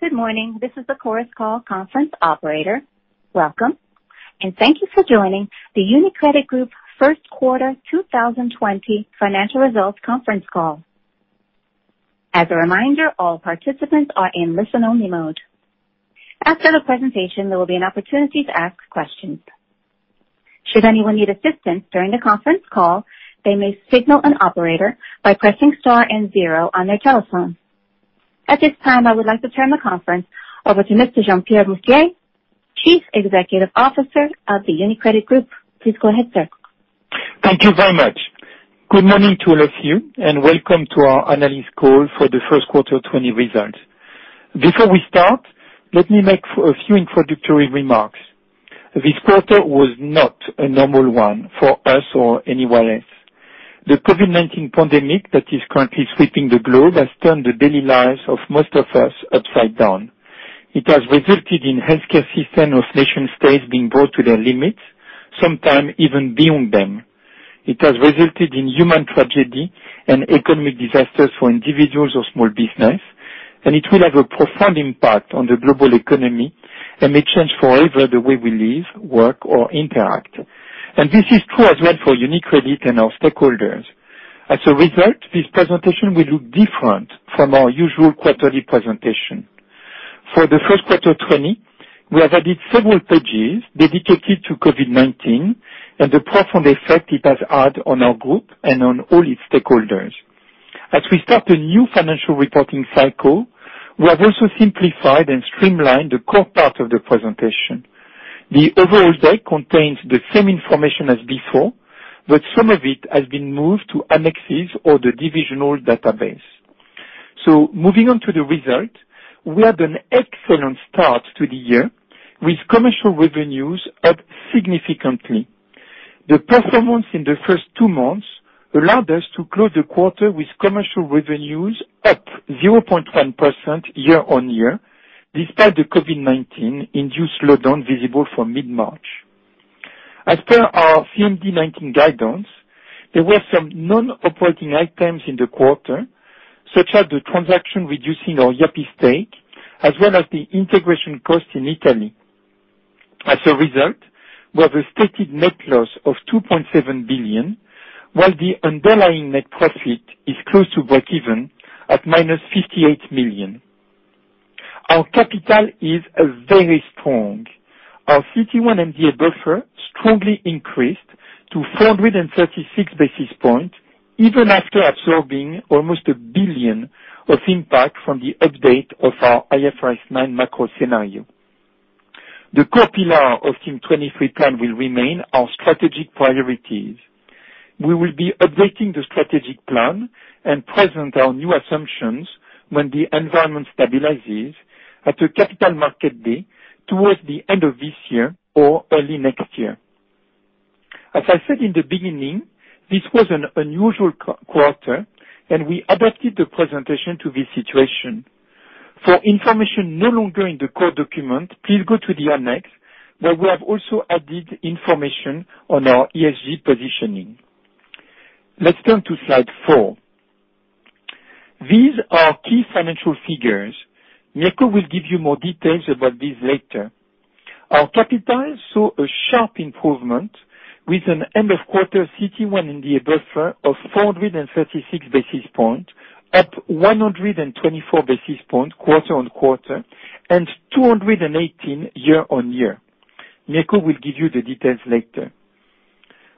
Good morning. This is the Chorus Call conference operator. Welcome, and thank you for joining the UniCredit Group First Quarter 2020 Financial Results Conference Call. As a reminder, all participants are in listen-only mode. After the presentation, there will be an opportunity to ask questions. Should anyone need assistance during the conference call, they may signal an operator by pressing star and zero on their telephone. At this time, I would like to turn the conference over to Mr. Jean Pierre Mustier, Chief Executive Officer of the UniCredit Group. Please go ahead, sir. Thank you very much. Good morning to all of you, and welcome to our Analyst Call for the First Quarter 2020 Results. Before we start, let me make a few introductory remarks. This quarter was not a normal one for us or anyone else. The COVID-19 pandemic that is currently sweeping the globe has turned the daily lives of most of us upside down. It has resulted in healthcare systems of nation-states being brought to their limits, sometimes even beyond them. It has resulted in human tragedy and economic disasters for individuals or small businesses. It will have a profound impact on the global economy and may change forever the way we live, work, or interact. This is true as well for UniCredit and our stakeholders. As a result, this presentation will look different from our usual quarterly presentation. For the first quarter 2020, we have added several pages dedicated to COVID-19 and the profound effect it has had on our group and on all its stakeholders. As we start a new financial reporting cycle, we have also simplified and streamlined the core part of the presentation. The overall deck contains the same information as before, but some of it has been moved to annexes or the divisional database. Moving on to the result, we had an excellent start to the year, with commercial revenues up significantly. The performance in the first two months allowed us to close the quarter with commercial revenues up 0.1% year-on-year, despite the COVID-19 induced slowdown visible from mid-March. As per our CMD19 guidance, there were some non-operating items in the quarter, such as the transaction reducing our Yapı stake, as well as the integration cost in Italy. As a result, we have a stated net loss of 2.7 billion, while the underlying net profit is close to breakeven at -58 million. Our capital is very strong. Our CET1 MDA buffer strongly increased to 436 basis points even after absorbing almost 1 billion of impact from the update of our IFRS9 macro scenario. The core pillar of Team 23 plan will remain our strategic priorities. We will be updating the strategic plan and present our new assumptions when the environment stabilizes at a Capital Markets Day towards the end of this year or early next year. As I said in the beginning, this was an unusual quarter. We adapted the presentation to this situation. For information no longer in the core document, please go to the annex, where we have also added information on our ESG positioning. Let's turn to slide four. These are key financial figures. Mirko will give you more details about this later. Our capital saw a sharp improvement with an end of quarter CET1 MDA buffer of 436 basis points, up 124 basis points quarter-on-quarter and 218 year-on-year. Mirko will give you the details later.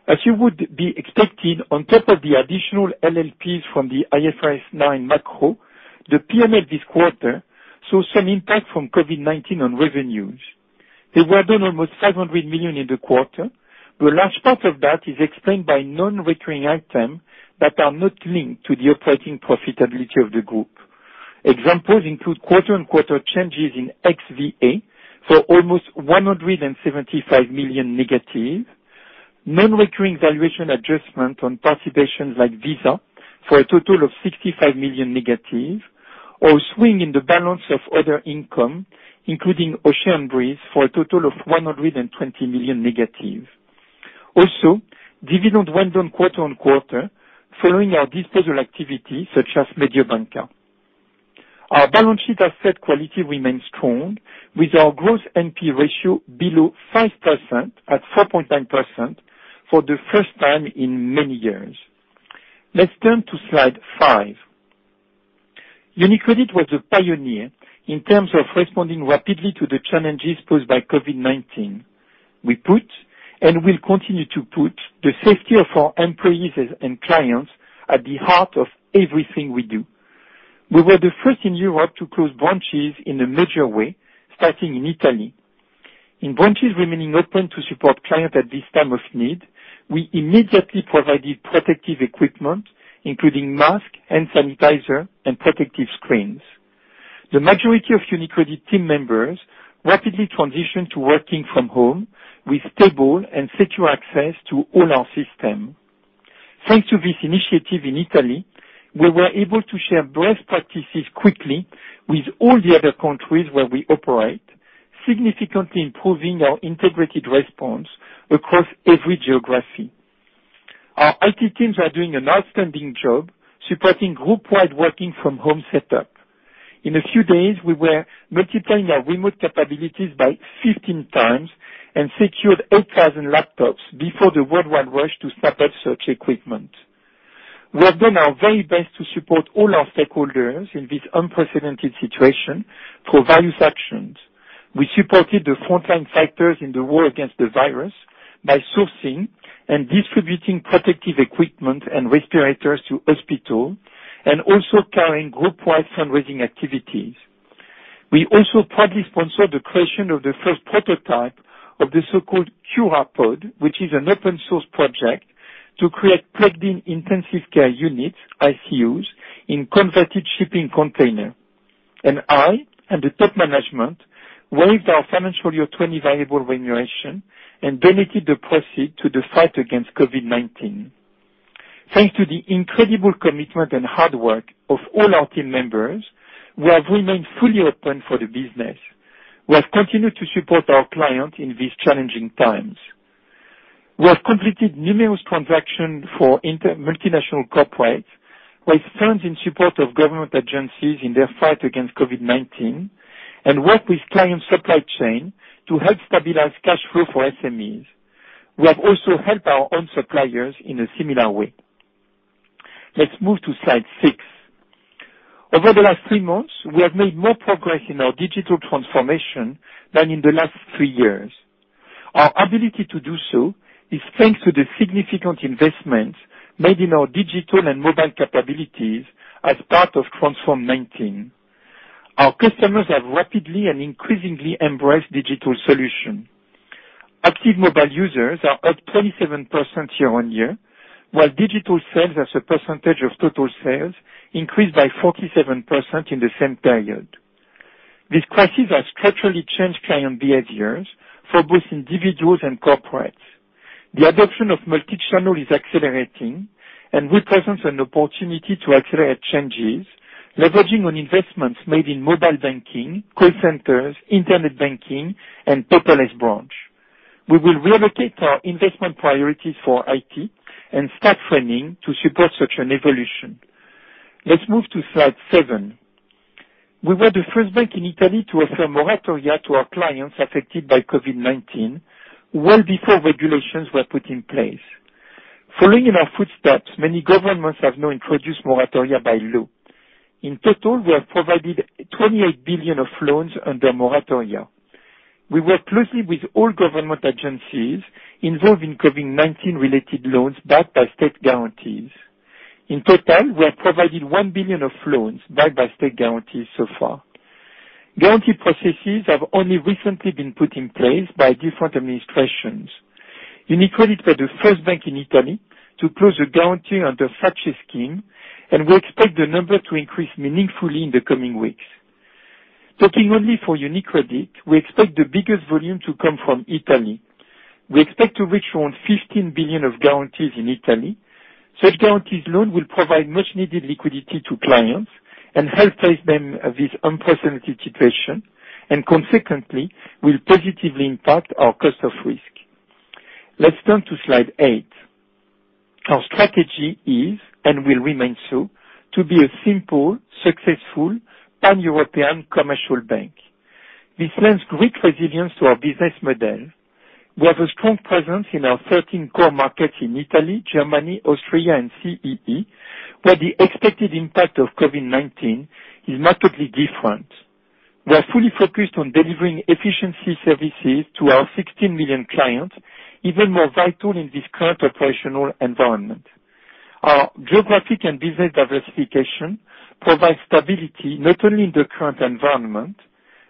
As you would be expecting, on top of the additional LLPs from the IFRS9 macro, the P&L this quarter saw some impact from COVID-19 on revenues. They were down almost 500 million in the quarter. The large part of that is explained by non-recurring items that are not linked to the operating profitability of the group. Examples include quarter-on-quarter changes in XVA for almost 175 million negative, non-recurring valuation adjustment on participations like Visa for a total of 65 million negative, or swing in the balance of other income, including Ocean Breeze, for a total of 120 million negative. Dividend went down quarter-on-quarter following our disposal activity such as Mediobanca. Our balance sheet asset quality remains strong, with our gross NPE ratio below 5% at 4.9% for the first time in many years. Let's turn to slide five. UniCredit was a pioneer in terms of responding rapidly to the challenges posed by COVID-19. We put, and will continue to put the safety of our employees and clients at the heart of everything we do. We were the first in Europe to close branches in a major way, starting in Italy. In branches remaining open to support clients at this time of need, we immediately provided protective equipment, including masks, hand sanitizer, and protective screens. The majority of UniCredit team members rapidly transitioned to working from home with stable and secure access to all our systems. Thanks to this initiative in Italy, we were able to share best practices quickly with all the other countries where we operate, significantly improving our integrated response across every geography. Our IT teams are doing an outstanding job supporting group-wide working from home setup. In a few days, we were multiplying our remote capabilities by 15 times and secured 8,000 laptops before the worldwide rush to snap up such equipment. We have done our very best to support all our stakeholders in this unprecedented situation through various actions. We supported the frontline fighters in the war against the virus by sourcing and distributing protective equipment and respirators to hospitals, and also carrying group-wide fundraising activities. We also partly sponsored the creation of the first prototype of the so-called CURA pod, which is an open-source project to create plugged-in intensive care units, ICUs, in converted shipping containers. I, and the top management, waived our financial year 2020 variable remuneration and dedicated the proceed to the fight against COVID-19. Thanks to the incredible commitment and hard work of all our team members, we have remained fully open for the business. We have continued to support our clients in these challenging times. We have completed numerous transactions for multinational corporates, raised funds in support of government agencies in their fight against COVID-19, and worked with client supply chain to help stabilize cash flow for SMEs. We have also helped our own suppliers in a similar way. Let's move to slide six. Over the last three months, we have made more progress in our digital transformation than in the last three years. Our ability to do so is thanks to the significant investments made in our digital and mobile capabilities as part of Transform 2019. Our customers have rapidly and increasingly embraced digital solutions. Active mobile users are up 27% year-on-year, while digital sales as a percentage of total sales increased by 47% in the same period. This crisis has structurally changed client behaviors for both individuals and corporates. The adoption of multi-channel is accelerating and represents an opportunity to accelerate changes, leveraging on investments made in mobile banking, call centers, internet banking, and paperless branch. We will reallocate our investment priorities for IT and start framing to support such an evolution. Let's move to slide seven. We were the first bank in Italy to offer moratoria to our clients affected by COVID-19 well before regulations were put in place. Following in our footsteps, many governments have now introduced moratoria by law. In total, we have provided 28 billion of loans under moratoria. We work closely with all government agencies involved in COVID-19-related loans backed by state guarantees. In total, we have provided 1 billion of loans backed by state guarantees so far. Guarantee processes have only recently been put in place by different administrations. UniCredit was the first bank in Italy to close a guarantee under such a scheme, and we expect the number to increase meaningfully in the coming weeks. Talking only for UniCredit, we expect the biggest volume to come from Italy. We expect to reach around 15 billion of guarantees in Italy. Such guarantees loan will provide much needed liquidity to clients and help save them this unprecedented situation, and consequently, will positively impact our cost of risk. Let's turn to slide eight. Our strategy is, and will remain so, to be a simple, successful, pan-European commercial bank. This lends great resilience to our business model. We have a strong presence in our 13 core markets in Italy, Germany, Austria, and CEE, where the expected impact of COVID-19 is markedly different. We are fully focused on delivering efficiency services to our 16 million clients, even more vital in this current operational environment. Our geographic and business diversification provides stability not only in the current environment.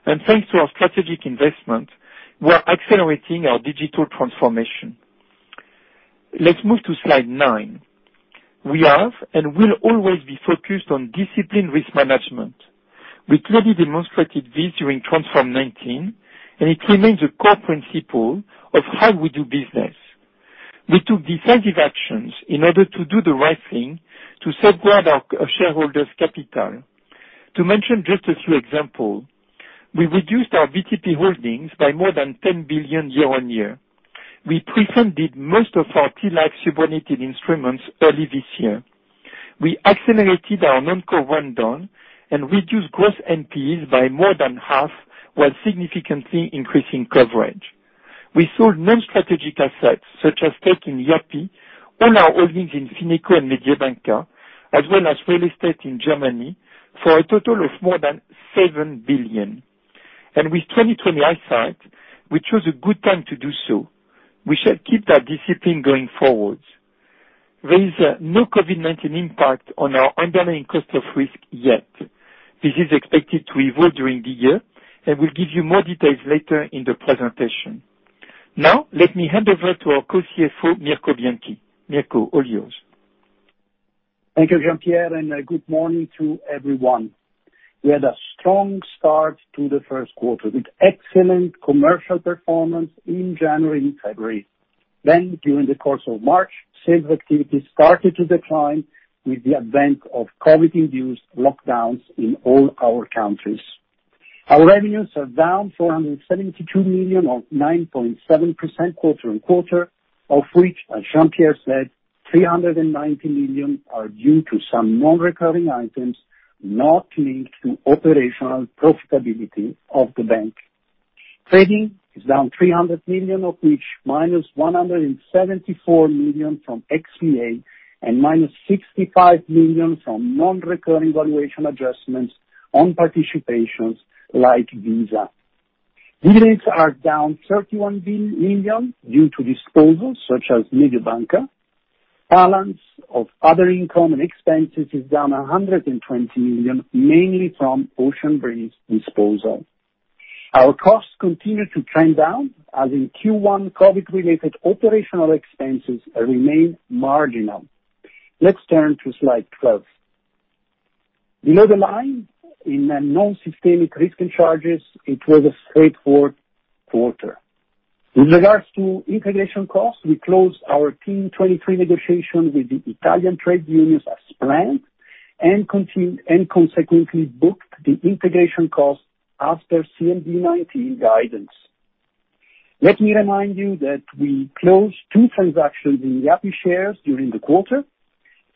Thanks to our strategic investment, we are accelerating our digital transformation. Let's move to slide nine. We have and will always be focused on disciplined risk management. We clearly demonstrated this during Transform 19, and it remains a core principle of how we do business. We took decisive actions in order to do the right thing to safeguard our shareholders' capital. To mention just a few examples, we reduced our BTP holdings by more than 10 billion year-over-year. We prefunded most of our TLAC subordinated instruments early this year. We accelerated our non-core rundown and reduced gross NPEs by more than half while significantly increasing coverage. We sold non-strategic assets such as taking Yapı on our holdings in Fineco and Mediobanca, as well as real estate in Germany, for a total of more than 7 billion. With 2020 hindsight, we chose a good time to do so. We shall keep that discipline going forward. There is no COVID-19 impact on our underlying cost of risk yet. This is expected to evolve during the year. We'll give you more details later in the presentation. Now, let me hand over to our co-CFO, Mirko Bianchi. Mirko, all yours. Thank you, Jean Pierre, and good morning to everyone. We had a strong start to the first quarter with excellent commercial performance in January and February. During the course of March, sales activity started to decline with the advent of COVID-induced lockdowns in all our countries. Our revenues are down 472 million, or 9.7% quarter on quarter, of which, as Jean Pierre said, 390 million are due to some non-recurring items not linked to operational profitability of the bank. Trading is down 300 million, of which -174 million from XVA and -65 million from non-recurring valuation adjustments on participations like Visa. Dividends are down 31 million due to disposals such as Mediobanca. Balance of other income and expenses is down 120 million, mainly from Ocean Breeze disposal. Our costs continue to trend down as in Q1 COVID related operational expenses remain marginal. Let's turn to slide 12. Below the line, in a non-systemic risk charges, it was a straightforward quarter. With regards to integration costs, we closed our Team 23 negotiations with the Italian trade unions as planned and consequently booked the integration costs after CMD 19 guidance. Let me remind you that we closed two transactions in Yapı shares during the quarter.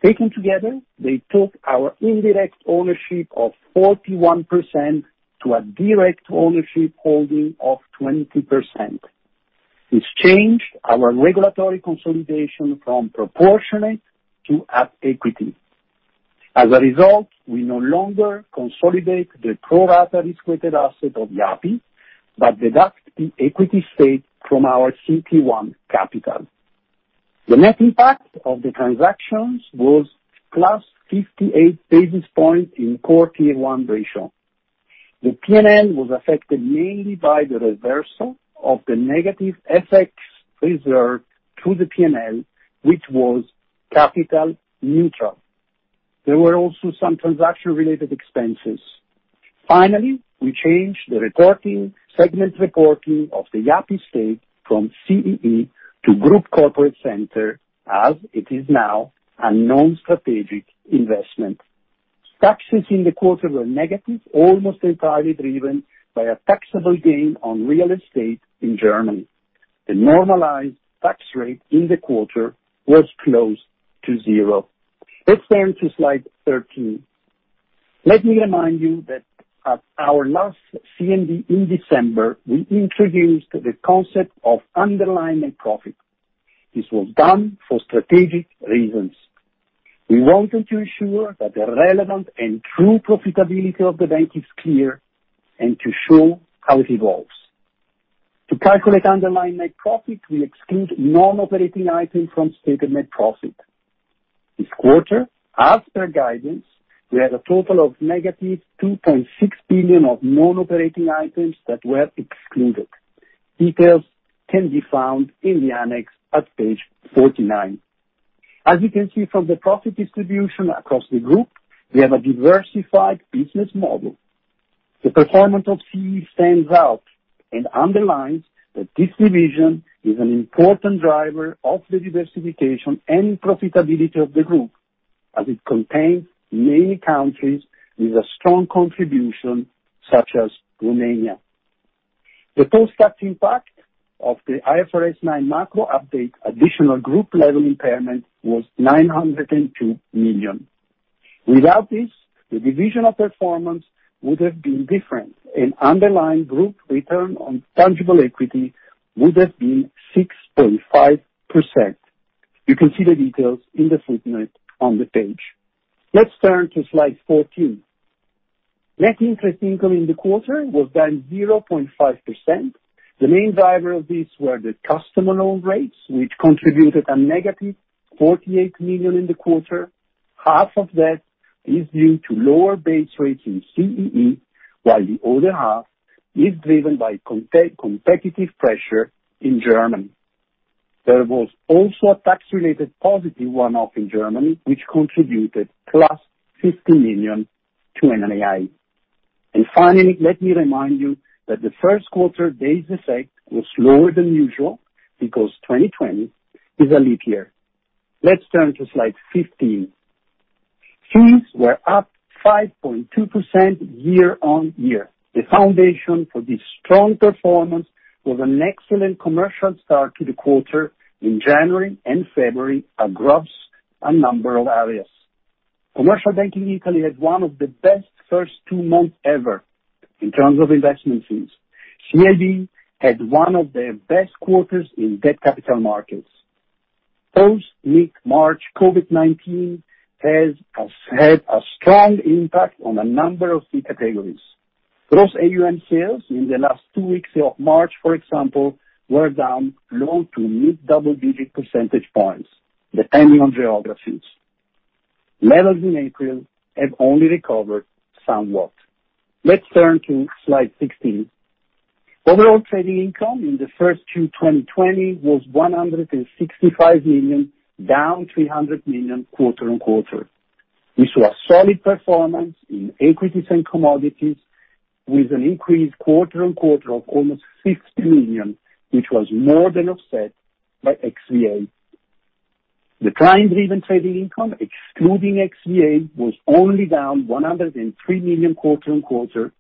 Taken together, they took our indirect ownership of 41% to a direct ownership holding of 20%. This changed our regulatory consolidation from proportionate to at equity. As a result, we no longer consolidate the pro rata risk-weighted asset of Yapı, but deduct the equity stake from our CET1 capital. The net impact of the transactions was +58 basis points in core Tier 1 ratio. The P&L was affected mainly by the reversal of the negative FX reserve to the P&L, which was capital neutral. There were also some transaction-related expenses. Finally, we changed the segment reporting of the Yapı stake from CEE to Group Corporate Center, as it is now a non-strategic investment. Taxes in the quarter were negative, almost entirely driven by a taxable gain on real estate in Germany. The normalized tax rate in the quarter was close to zero. Let's turn to slide 13. Let me remind you that at our last CMD in December, we introduced the concept of underlying net profit. This was done for strategic reasons. We wanted to ensure that the relevant and true profitability of the bank is clear and to show how it evolves. To calculate underlying net profit, we exclude non-operating items from stated net profit. This quarter, as per guidance, we had a total of negative 2.6 billion of non-operating items that were excluded. Details can be found in the annex at page 49. As you can see from the profit distribution across the group, we have a diversified business model. The performance of CEE stands out and underlines that this division is an important driver of the diversification and profitability of the group, as it contains many countries with a strong contribution, such as Romania. The post-tax impact of the IFRS 9 macro update additional group-level impairment was 902 million. Without this, the divisional performance would have been different, and underlying group return on tangible equity would have been 6.5%. You can see the details in the footnote on the page. Let's turn to slide 14. Net interest income in the quarter was down 0.5%. The main driver of this were the customer loan rates, which contributed a negative 48 million in the quarter. Half of that is due to lower base rates in CEE, while the other half is driven by competitive pressure in Germany. There was also a tax-related positive one-off in Germany, which contributed +50 million to NII. Finally, let me remind you that the first quarter days effect was lower than usual because 2020 is a leap year. Let's turn to slide 15. Fees were up 5.2% year-on-year. The foundation for this strong performance was an excellent commercial start to the quarter in January and February across a number of areas. Commercial banking in Italy had one of the best first two months ever in terms of investment fees. CIB had one of their best quarters in debt capital markets. Post-mid-March COVID-19 has had a strong impact on a number of fee categories. Gross AUM sales in the last two weeks of March, for example, were down low to mid-double-digit percentage points, depending on geographies. Levels in April have only recovered somewhat. Let's turn to slide 16. Overall trading income in the first Q2020 was 165 million, down 300 million quarter-on-quarter. We saw a solid performance in equities and commodities with an increase quarter-on-quarter of almost 60 million, which was more than offset by XVA. The client-driven trading income, excluding XVA, was only down 103 million quarter-on-quarter,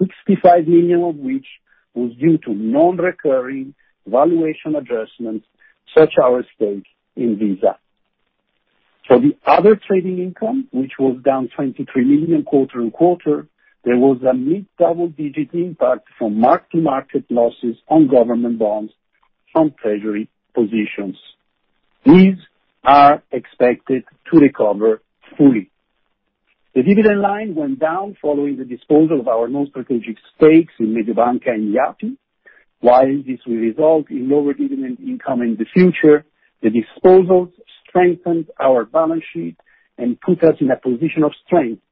65 million of which was due to non-recurring valuation adjustments, such our stake in Visa. The other trading income, which was down 23 million quarter-on-quarter, there was a mid-double-digit impact from mark-to-market losses on government bonds from treasury positions. These are expected to recover fully. The dividend line went down following the disposal of our non-strategic stakes in Mediobanca and Yapı Kredi. While this will result in lower dividend income in the future, the disposals strengthened our balance sheet and put us in a position of strength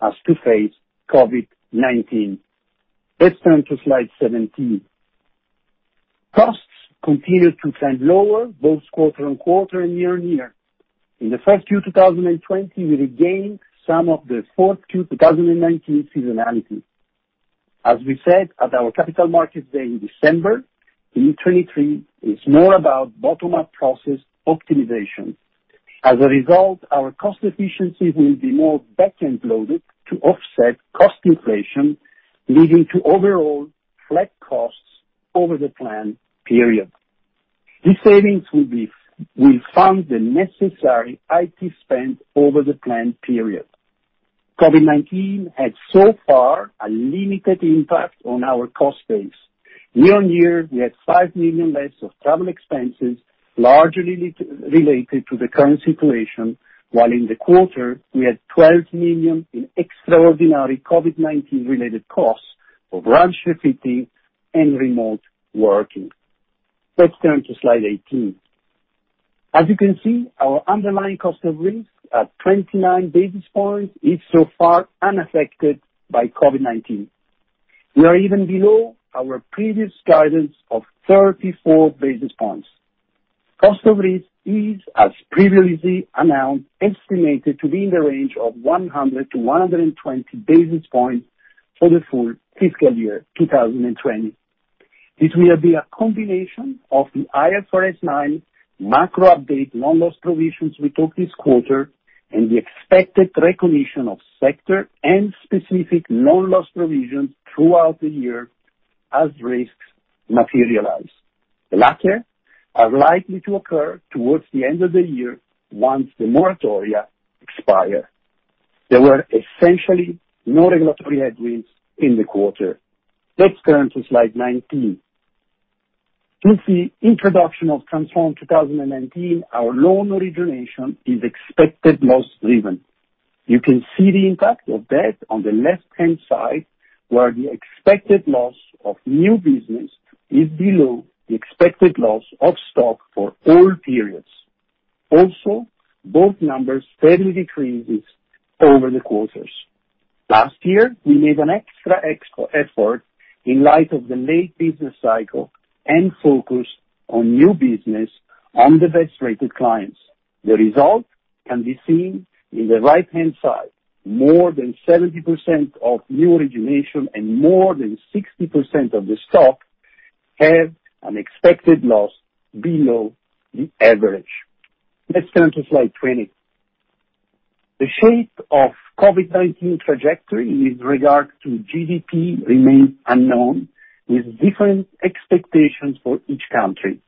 as to face COVID-19. Let's turn to slide 17. Costs continued to trend lower, both quarter-on-quarter and year-on-year. In the first Q2020, we regained some of the fourth Q2019 seasonality. As we said at our Capital Markets Day in December, in 2023, it's more about bottom-up process optimization. As a result, our cost efficiencies will be more back-end loaded to offset cost inflation, leading to overall flat costs over the plan period. These savings will fund the necessary IT spend over the plan period. COVID-19 had so far a limited impact on our cost base. Year-on-year, we had 5 million less of travel expenses, largely related to the current situation, while in the quarter, we had 12 million in extraordinary COVID-19 related costs for branch refitting and remote working. Let's turn to slide 18. As you can see, our underlying cost of risk at 29 basis points is so far unaffected by COVID-19. We are even below our previous guidance of 34 basis points. Cost of risk is, as previously announced, estimated to be in the range of 100-120 basis points for the full fiscal year 2020. This will be a combination of the IFRS 9 macro update non-loss provisions we took this quarter and the expected recognition of sector and specific non-loss provisions throughout the year as risks materialize. The latter are likely to occur towards the end of the year, once the moratoria expire. There were essentially no regulatory headwinds in the quarter. Let's turn to slide 19. With the introduction of Transform 2019, our loan origination is expected loss-driven. You can see the impact of that on the left-hand side, where the expected loss of new business is below the expected loss of stock for all periods. Also, both numbers steadily decreases over the quarters. Last year, we made an extra effort in light of the late business cycle and focus on new business on the best-rated clients. The result can be seen in the right-hand side. More than 70% of new origination and more than 60% of the stock have an expected loss below the average. Let's turn to slide 20. The shape of COVID-19 trajectory with regard to GDP remains unknown, with different expectations for each country.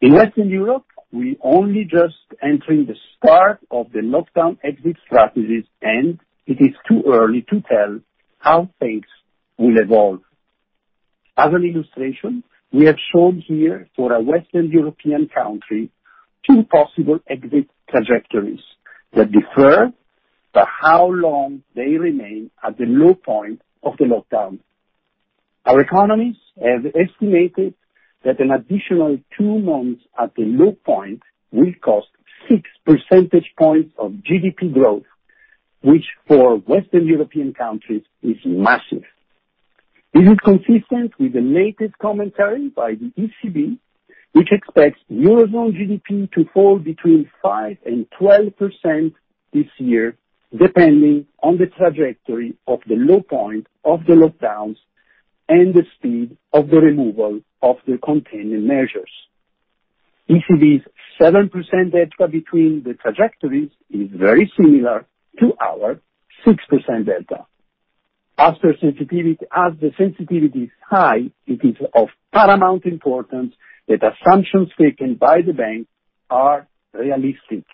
In Western Europe, we're only just entering the start of the lockdown exit strategies, and it is too early to tell how things will evolve. As an illustration, we have shown here for a Western European country, two possible exit trajectories that differ by how long they remain at the low point of the lockdown. Our economists have estimated that an additional two months at the low point will cost six percentage points of GDP growth, which for Western European countries is massive. This is consistent with the latest commentary by the ECB, which expects Eurozone GDP to fall between 5% and 12% this year, depending on the trajectory of the low point of the lockdowns and the speed of the removal of the containing measures. ECB's 7% delta between the trajectories is very similar to our 6% delta. As the sensitivity is high, it is of paramount importance that assumptions taken by the bank are realistic.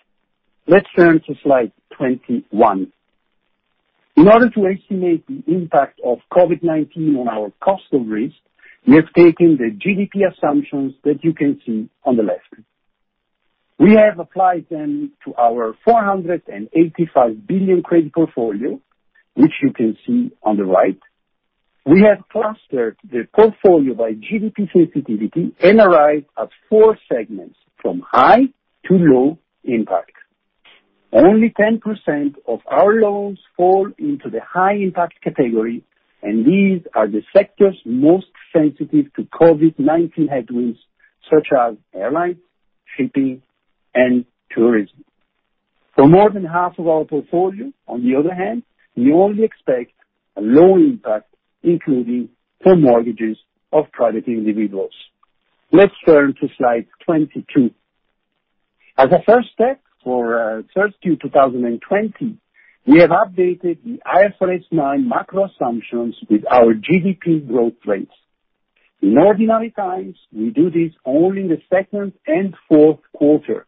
Let's turn to slide 21. In order to estimate the impact of COVID-19 on our cost of risk, we have taken the GDP assumptions that you can see on the left. We have applied them to our 485 billion credit portfolio, which you can see on the right. We have clustered the portfolio by GDP sensitivity and arrived at four segments from high to low impact. Only 10% of our loans fall into the high impact category, and these are the sectors most sensitive to COVID-19 headwinds, such as airlines, shipping, and tourism. For more than half of our portfolio, on the other hand, we only expect a low impact, including for mortgages of private individuals. Let's turn to slide 22. As a first step for 3Q 2020, we have updated the IFRS 9 macro assumptions with our GDP growth rates. In ordinary times, we do this only in the 2nd and 4th quarter,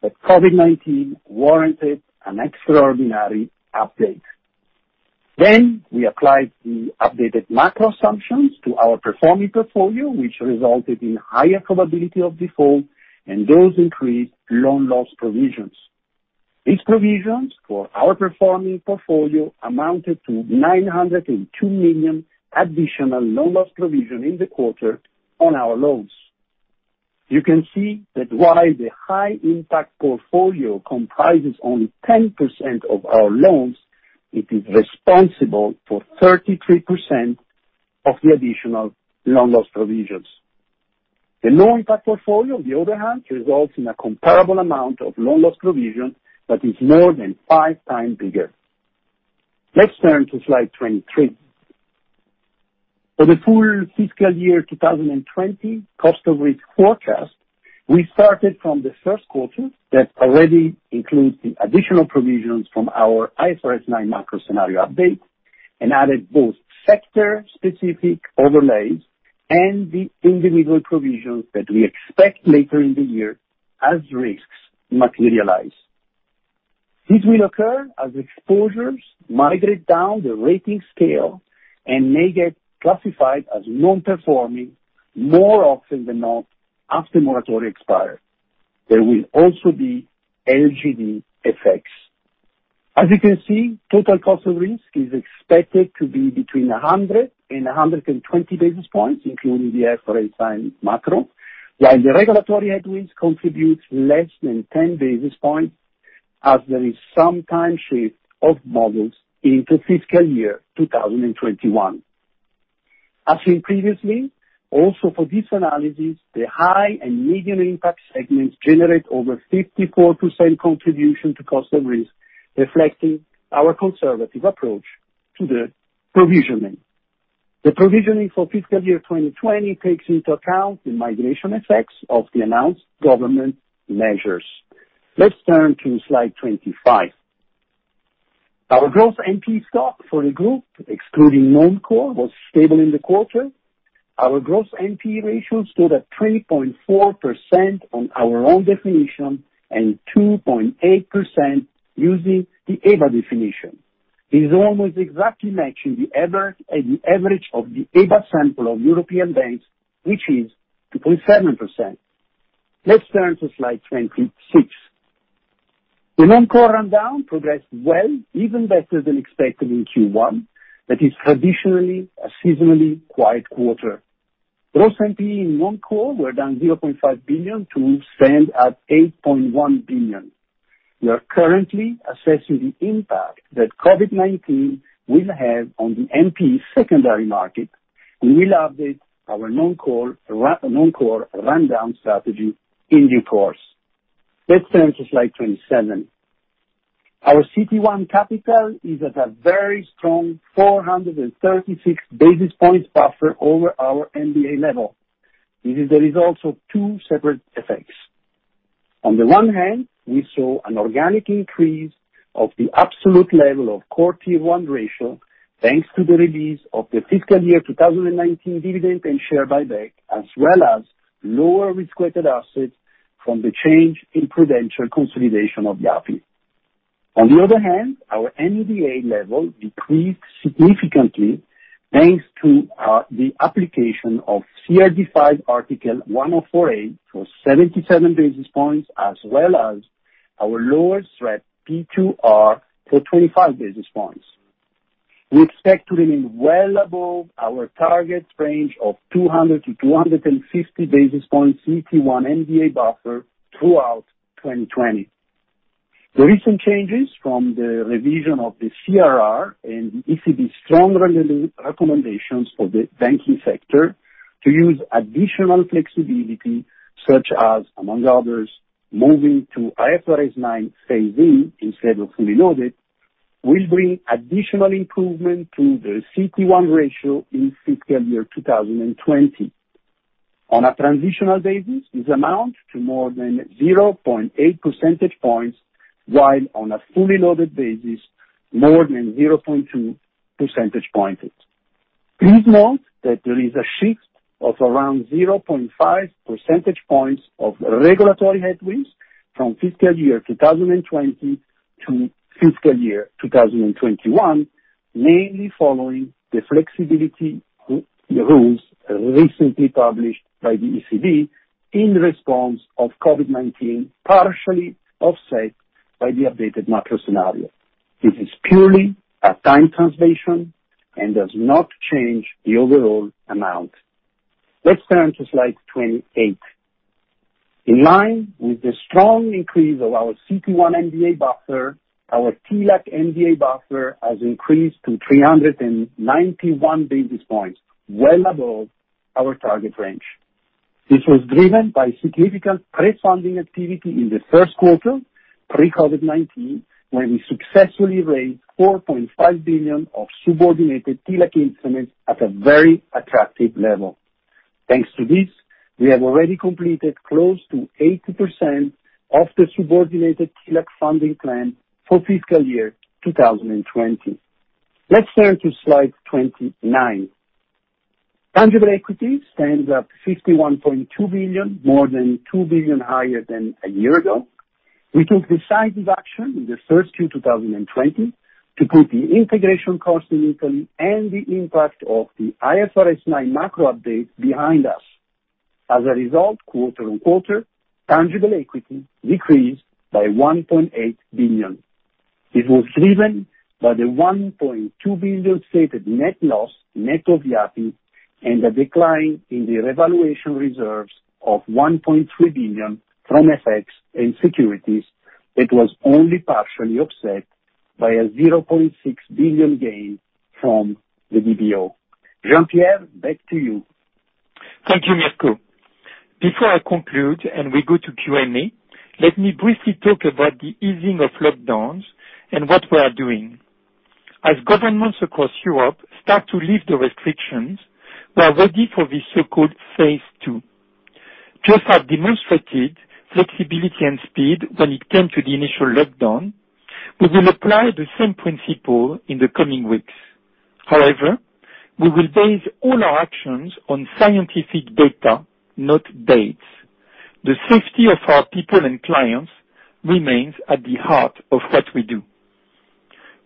but COVID-19 warranted an extraordinary update. We applied the updated macro assumptions to our performing portfolio, which resulted in higher probability of default and those increased loan loss provisions. These provisions for our performing portfolio amounted to 902 million additional loan loss provision in the quarter on our loans. You can see that while the high impact portfolio comprises only 10% of our loans, it is responsible for 33% of the additional loan loss provisions. The low impact portfolio, on the other hand, results in a comparable amount of loan loss provision that is more than five times bigger. Let's turn to slide 23. For the full fiscal year 2020 cost of risk forecast, we started from the first quarter that already includes the additional provisions from our IFRS 9 macro scenario update and added both sector-specific overlays and the individual provisions that we expect later in the year as risks materialize. This will occur as exposures migrate down the rating scale and may get classified as non-performing more often than not after moratoria expire. There will also be LGD effects. As you can see, total cost of risk is expected to be between 100 and 120 basis points, including the IFRS 9 macro, while the regulatory headwinds contributes less than 10 basis points as there is some time shift of models into fiscal year 2021. As seen previously, also for this analysis, the high and medium impact segments generate over 54% contribution to cost of risk, reflecting our conservative approach to the provisioning. The provisioning for FY 2020 takes into account the migration effects of the announced government measures. Let's turn to slide 25. Our gross NPE stock for the non-core group was stable in the quarter. Our gross NPE ratio stood at 20.4% on our own definition and 2.8% using the EBA definition. This is almost exactly matching the average of the EBA sample of European banks, which is 2.7%. Let's turn to slide 26. The non-core rundown progressed well, even better than expected in Q1. That is traditionally a seasonally quiet quarter. Gross NPE in non-core were down 0.5 billion to stand at 8.1 billion. We are currently assessing the impact that COVID-19 will have on the NPE secondary market, and we'll update our non-core rundown strategy in due course. Let's turn to slide 27. Our CET1 capital is at a very strong 436 basis points buffer over our MDA level. This is the result of two separate effects. On the one hand, we saw an organic increase of the absolute level of core Tier 1 ratio, thanks to the release of the fiscal year 2019 dividend and share buyback, as well as lower risk-weighted assets from the change in Prudential consolidation of Yapı. On the other hand, our MDA level decreased significantly, thanks to the application of CRD V Article 104a for 77 basis points as well as our lower SREP P2R for 25 basis points. We expect to remain well above our target range of 200-250 basis points CET1 MDA buffer throughout 2020. The recent changes from the revision of the CRR and the ECB strong recommendations for the banking sector to use additional flexibility, such as, among others, moving to IFRS9 Phase In instead of fully loaded, will bring additional improvement to the CET1 ratio in fiscal year 2020. On a transitional basis, this amount to more than 0.8 percentage points, while on a fully loaded basis, more than 0.2 percentage points. Please note that there is a shift of around 0.5 percentage points of regulatory headwinds from fiscal year 2020 to fiscal year 2021, mainly following the flexibility rules recently published by the ECB in response of COVID-19, partially offset by the updated macro scenario. This is purely a time translation and does not change the overall amount. Let's turn to slide 28. In line with the strong increase of our CET1 MDA buffer, our TLAC MDA buffer has increased to 391 basis points, well above our target range. This was driven by significant trade funding activity in the first quarter, pre-COVID-19, when we successfully raised 4.5 billion of subordinated TLAC instruments at a very attractive level. Thanks to this, we have already completed close to 80% of the subordinated TLAC funding plan for fiscal year 2020. Let's turn to slide 29. Tangible equity stands at 51.2 billion, more than 2 billion higher than a year ago. We took decisive action in the first Q2020 to put the integration cost in Italy and the impact of the IFRS9 macro update behind us. As a result, quarter-on-quarter, tangible equity decreased by 1.8 billion. It was driven by the 1.2 billion stated net loss, net of the AT1, and a decline in the revaluation reserves of 1.3 billion from FX and securities that was only partially offset by a 0.6 billion gain from the DBO. Jean Pierre, back to you. Thank you, Mirko. Before I conclude and we go to Q&A, let me briefly talk about the easing of lockdowns and what we are doing. As governments across Europe start to lift the restrictions, we are ready for the so-called phase II. Just as demonstrated flexibility and speed when it came to the initial lockdown, we will apply the same principle in the coming weeks. However, we will base all our actions on scientific data, not dates. The safety of our people and clients remains at the heart of what we do.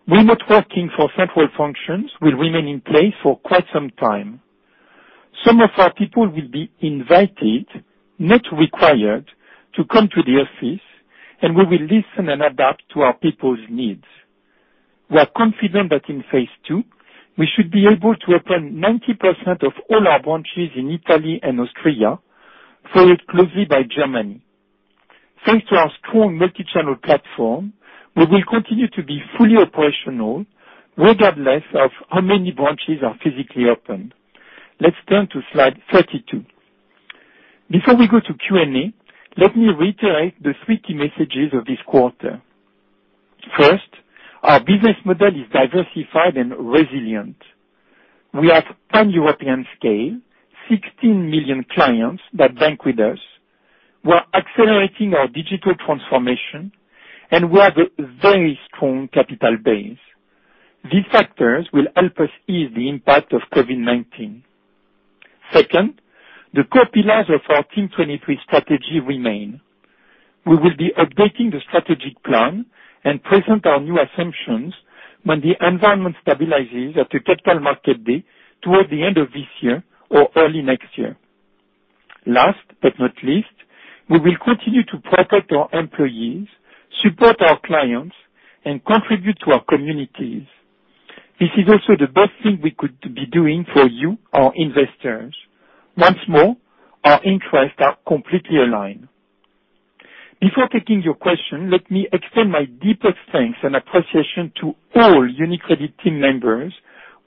Remote working for central functions will remain in place for quite some time. Some of our people will be invited, not required, to come to the office, and we will listen and adapt to our people's needs. We are confident that in phase II, we should be able to open 90% of all our branches in Italy and Austria, followed closely by Germany. Thanks to our strong multi-channel platform, we will continue to be fully operational regardless of how many branches are physically open. Let's turn to slide 32. Before we go to Q&A, let me reiterate the three key messages of this quarter. First, our business model is diversified and resilient. We have pan-European scale, 16 million clients that bank with us. We're accelerating our digital transformation, and we have a very strong capital base. These factors will help us ease the impact of COVID-19. Second, the core pillars of our Team 23 strategy remain. We will be updating the strategic plan and present our new assumptions when the environment stabilizes at the Capital Markets Day toward the end of this year or early next year. Last but not least, we will continue to protect our employees, support our clients, and contribute to our communities. This is also the best thing we could be doing for you, our investors. Once more, our interests are completely aligned. Before taking your question, let me extend my deepest thanks and appreciation to all UniCredit team members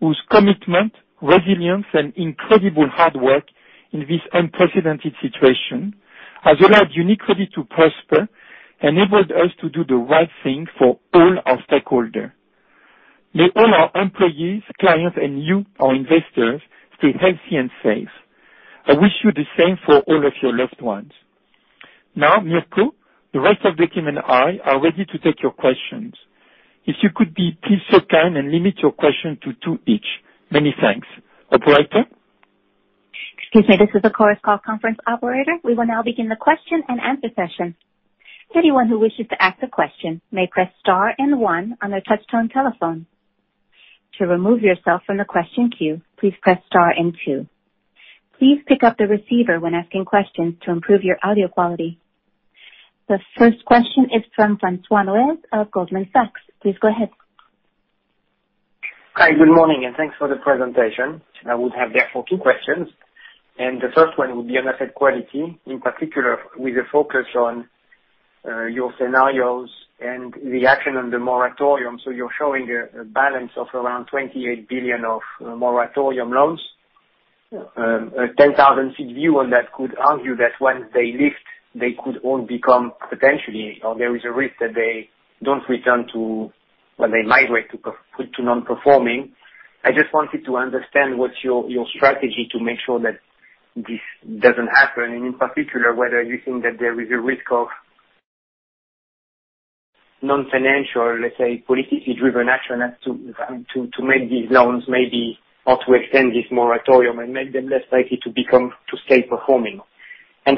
whose commitment, resilience, and incredible hard work in this unprecedented situation has allowed UniCredit to prosper, enabled us to do the right thing for all our stakeholders. May all our employees, clients, and you, our investors, stay healthy and safe. I wish you the same for all of your loved ones. Now, Mirko, the rest of the team and I are ready to take your questions. If you could be please so kind and limit your questions to two each. Many thanks. Operator? Excuse me, this is the Chorus Call Conference Operator. We will now begin the question and answer session. Anyone who wishes to ask a question may press star and one on their touch-tone telephone. To remove yourself from the question queue, please press star and two. Please pick up the receiver when asking questions to improve your audio quality. The first question is from Jean-Francois Neuez of Goldman Sachs. Please go ahead. Hi, good morning, and thanks for the presentation. I would have therefore two questions, and the first one would be on asset quality, in particular, with a focus on your scenarios and the action on the moratorium. You're showing a balance of around 28 billion of moratorium loans. A 10,000 ft view on that could argue that once they lift, they could all become potentially, or there is a risk that they don't return to, well, they migrate to non-performing. I just wanted to understand what's your strategy to make sure that this doesn't happen, and in particular, whether you think that there is a risk of non-financial, let's say, politically driven action as to make these loans maybe, or to extend this moratorium and make them less likely to stay performing.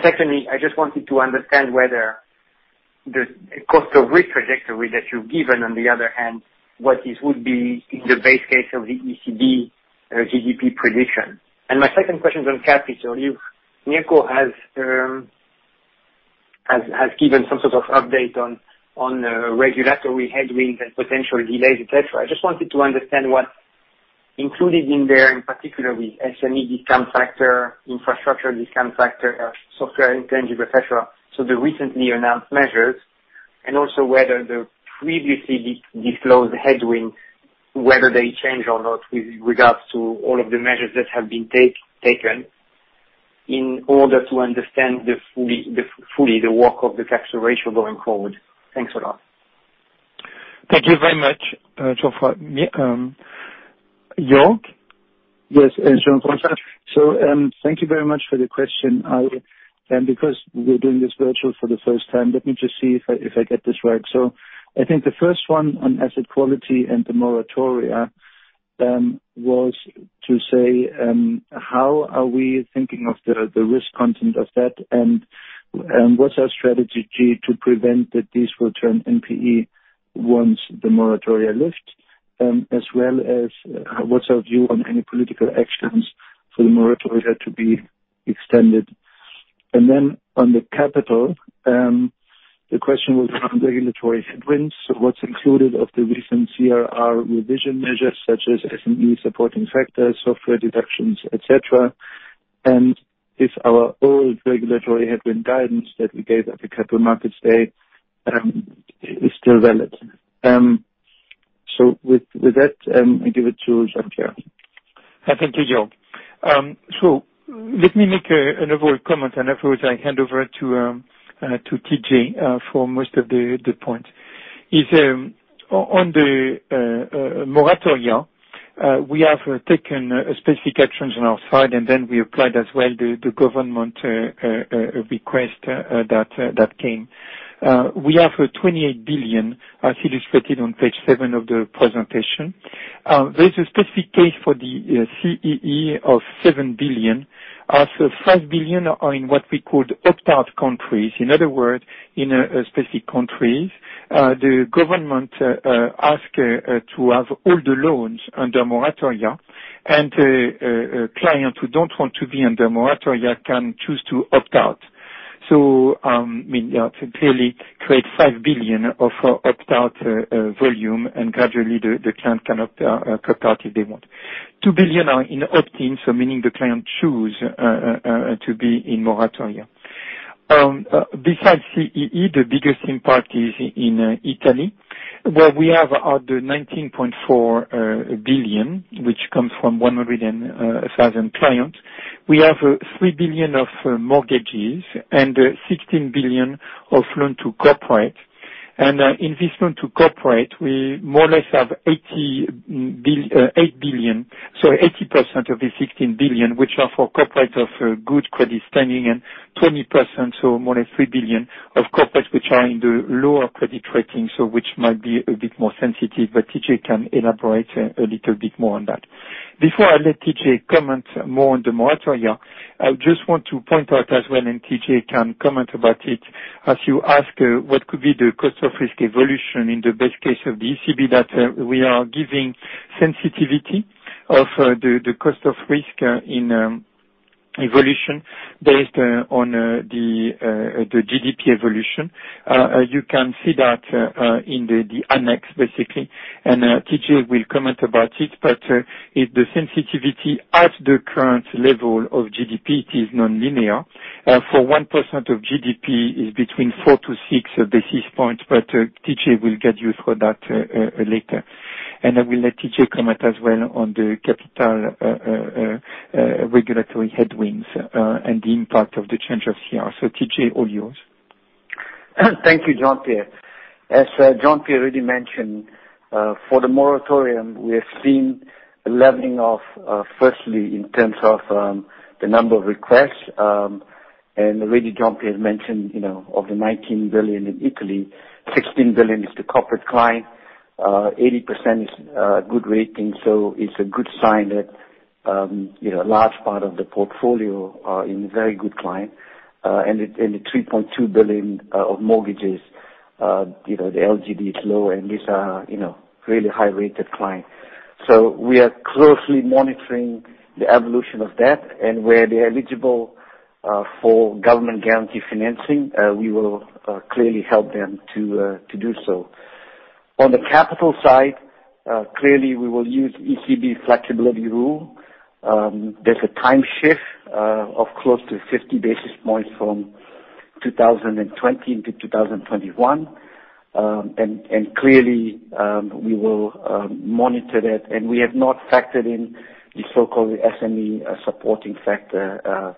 Secondly, I just wanted to understand whether the cost of risk trajectory that you've given, on the other hand, what this would be in the base case of the ECB, GDP prediction. My second question is on capital. If Mirko has given some sort of update on regulatory headwinds and potential delays, et cetera. I just wanted to understand what's included in there, in particular with SME discount factor, infrastructure discount factor, software intangible, et cetera. The recently announced measures, and also whether the previously disclosed headwind, whether they change or not with regards to all of the measures that have been taken, in order to understand fully the work of the capital ratio going forward. Thanks a lot. Thank you very much, Jean-François. Jörg? Yes. Thank you very much for the question. Because we're doing this virtual for the first time, let me just see if I get this right. I think the first one on asset quality and the moratoria, was to say, how are we thinking of the risk content of that and what's our strategy to prevent these return NPE once the moratoria lift, as well as what's our view on any political actions for the moratoria to be extended. Then on the capital, the question was on regulatory headwinds, what's included of the recent CRR revision measures such as SME supporting factors, software deductions, et cetera. If our old regulatory headwind guidance that we gave at the Capital Markets Day is still valid. With that, I give it to Jean Pierre. Thank you, Jörg. Let me make an overall comment and afterwards I hand over to TJ for most of the points. On the moratoria, we have taken specific actions on our side, and then we applied as well the government request that came. We have 28 billion, as illustrated on page seven of the presentation. There is a specific case for the CEE of 7 billion. As for 5 billion, are in what we call opt-out countries. In other words, in specific countries, the government ask to have all the loans under moratoria, and clients who do not want to be under moratoria can choose to opt out. To clearly create 5 billion of opt-out volume, and gradually the client can opt out if they want. 2 billion are in opt-in, meaning the client choose to be in moratoria. Besides CEE, the biggest impact is in Italy, where we have the 19.4 billion, which comes from 100,000 clients. We have 3 billion of mortgages and 16 billion of loans to corporate. In this loan to corporate, we more or less have 8 billion. 80% of the 16 billion, which are for corporate of good credit standing, and 20%, so more or less 3 billion, of corporate which are in the lower credit rating, so which might be a bit more sensitive, but TJ can elaborate a little bit more on that. Before I let TJ comment more on the moratoria, I just want to point out as well, and TJ can comment about it, as you ask, what could be the cost of risk evolution in the best case of the ECB data we are giving sensitivity of the cost of risk in evolution based on the GDP evolution. You can see that in the annex, basically. TJ will comment about it, if the sensitivity at the current level of GDP, it is nonlinear. For 1% of GDP is between 4-6 basis points, TJ will guide you through that later. I will let TJ comment as well on the capital regulatory headwinds, and the impact of the change of CRR. TJ, all yours. Thank you, Jean Pierre. As Jean Pierre already mentioned, for the moratorium, we have seen a leveling off, firstly in terms of the number of requests. Already Jean Pierre has mentioned, of the 19 billion in Italy, 16 billion is to corporate client. 80% is good rating, so it is a good sign that a large part of the portfolio are in very good client. The 3.2 billion of mortgages, the LGD is low, and these are really high-rated clients. We are closely monitoring the evolution of that, and where they are eligible for government guarantee financing, we will clearly help them to do so. On the capital side, clearly we will use ECB flexibility rule. There is a time shift of close to 50 basis points from 2020 to 2021. Clearly, we will monitor that. We have not factored in the so-called SME supporting factor.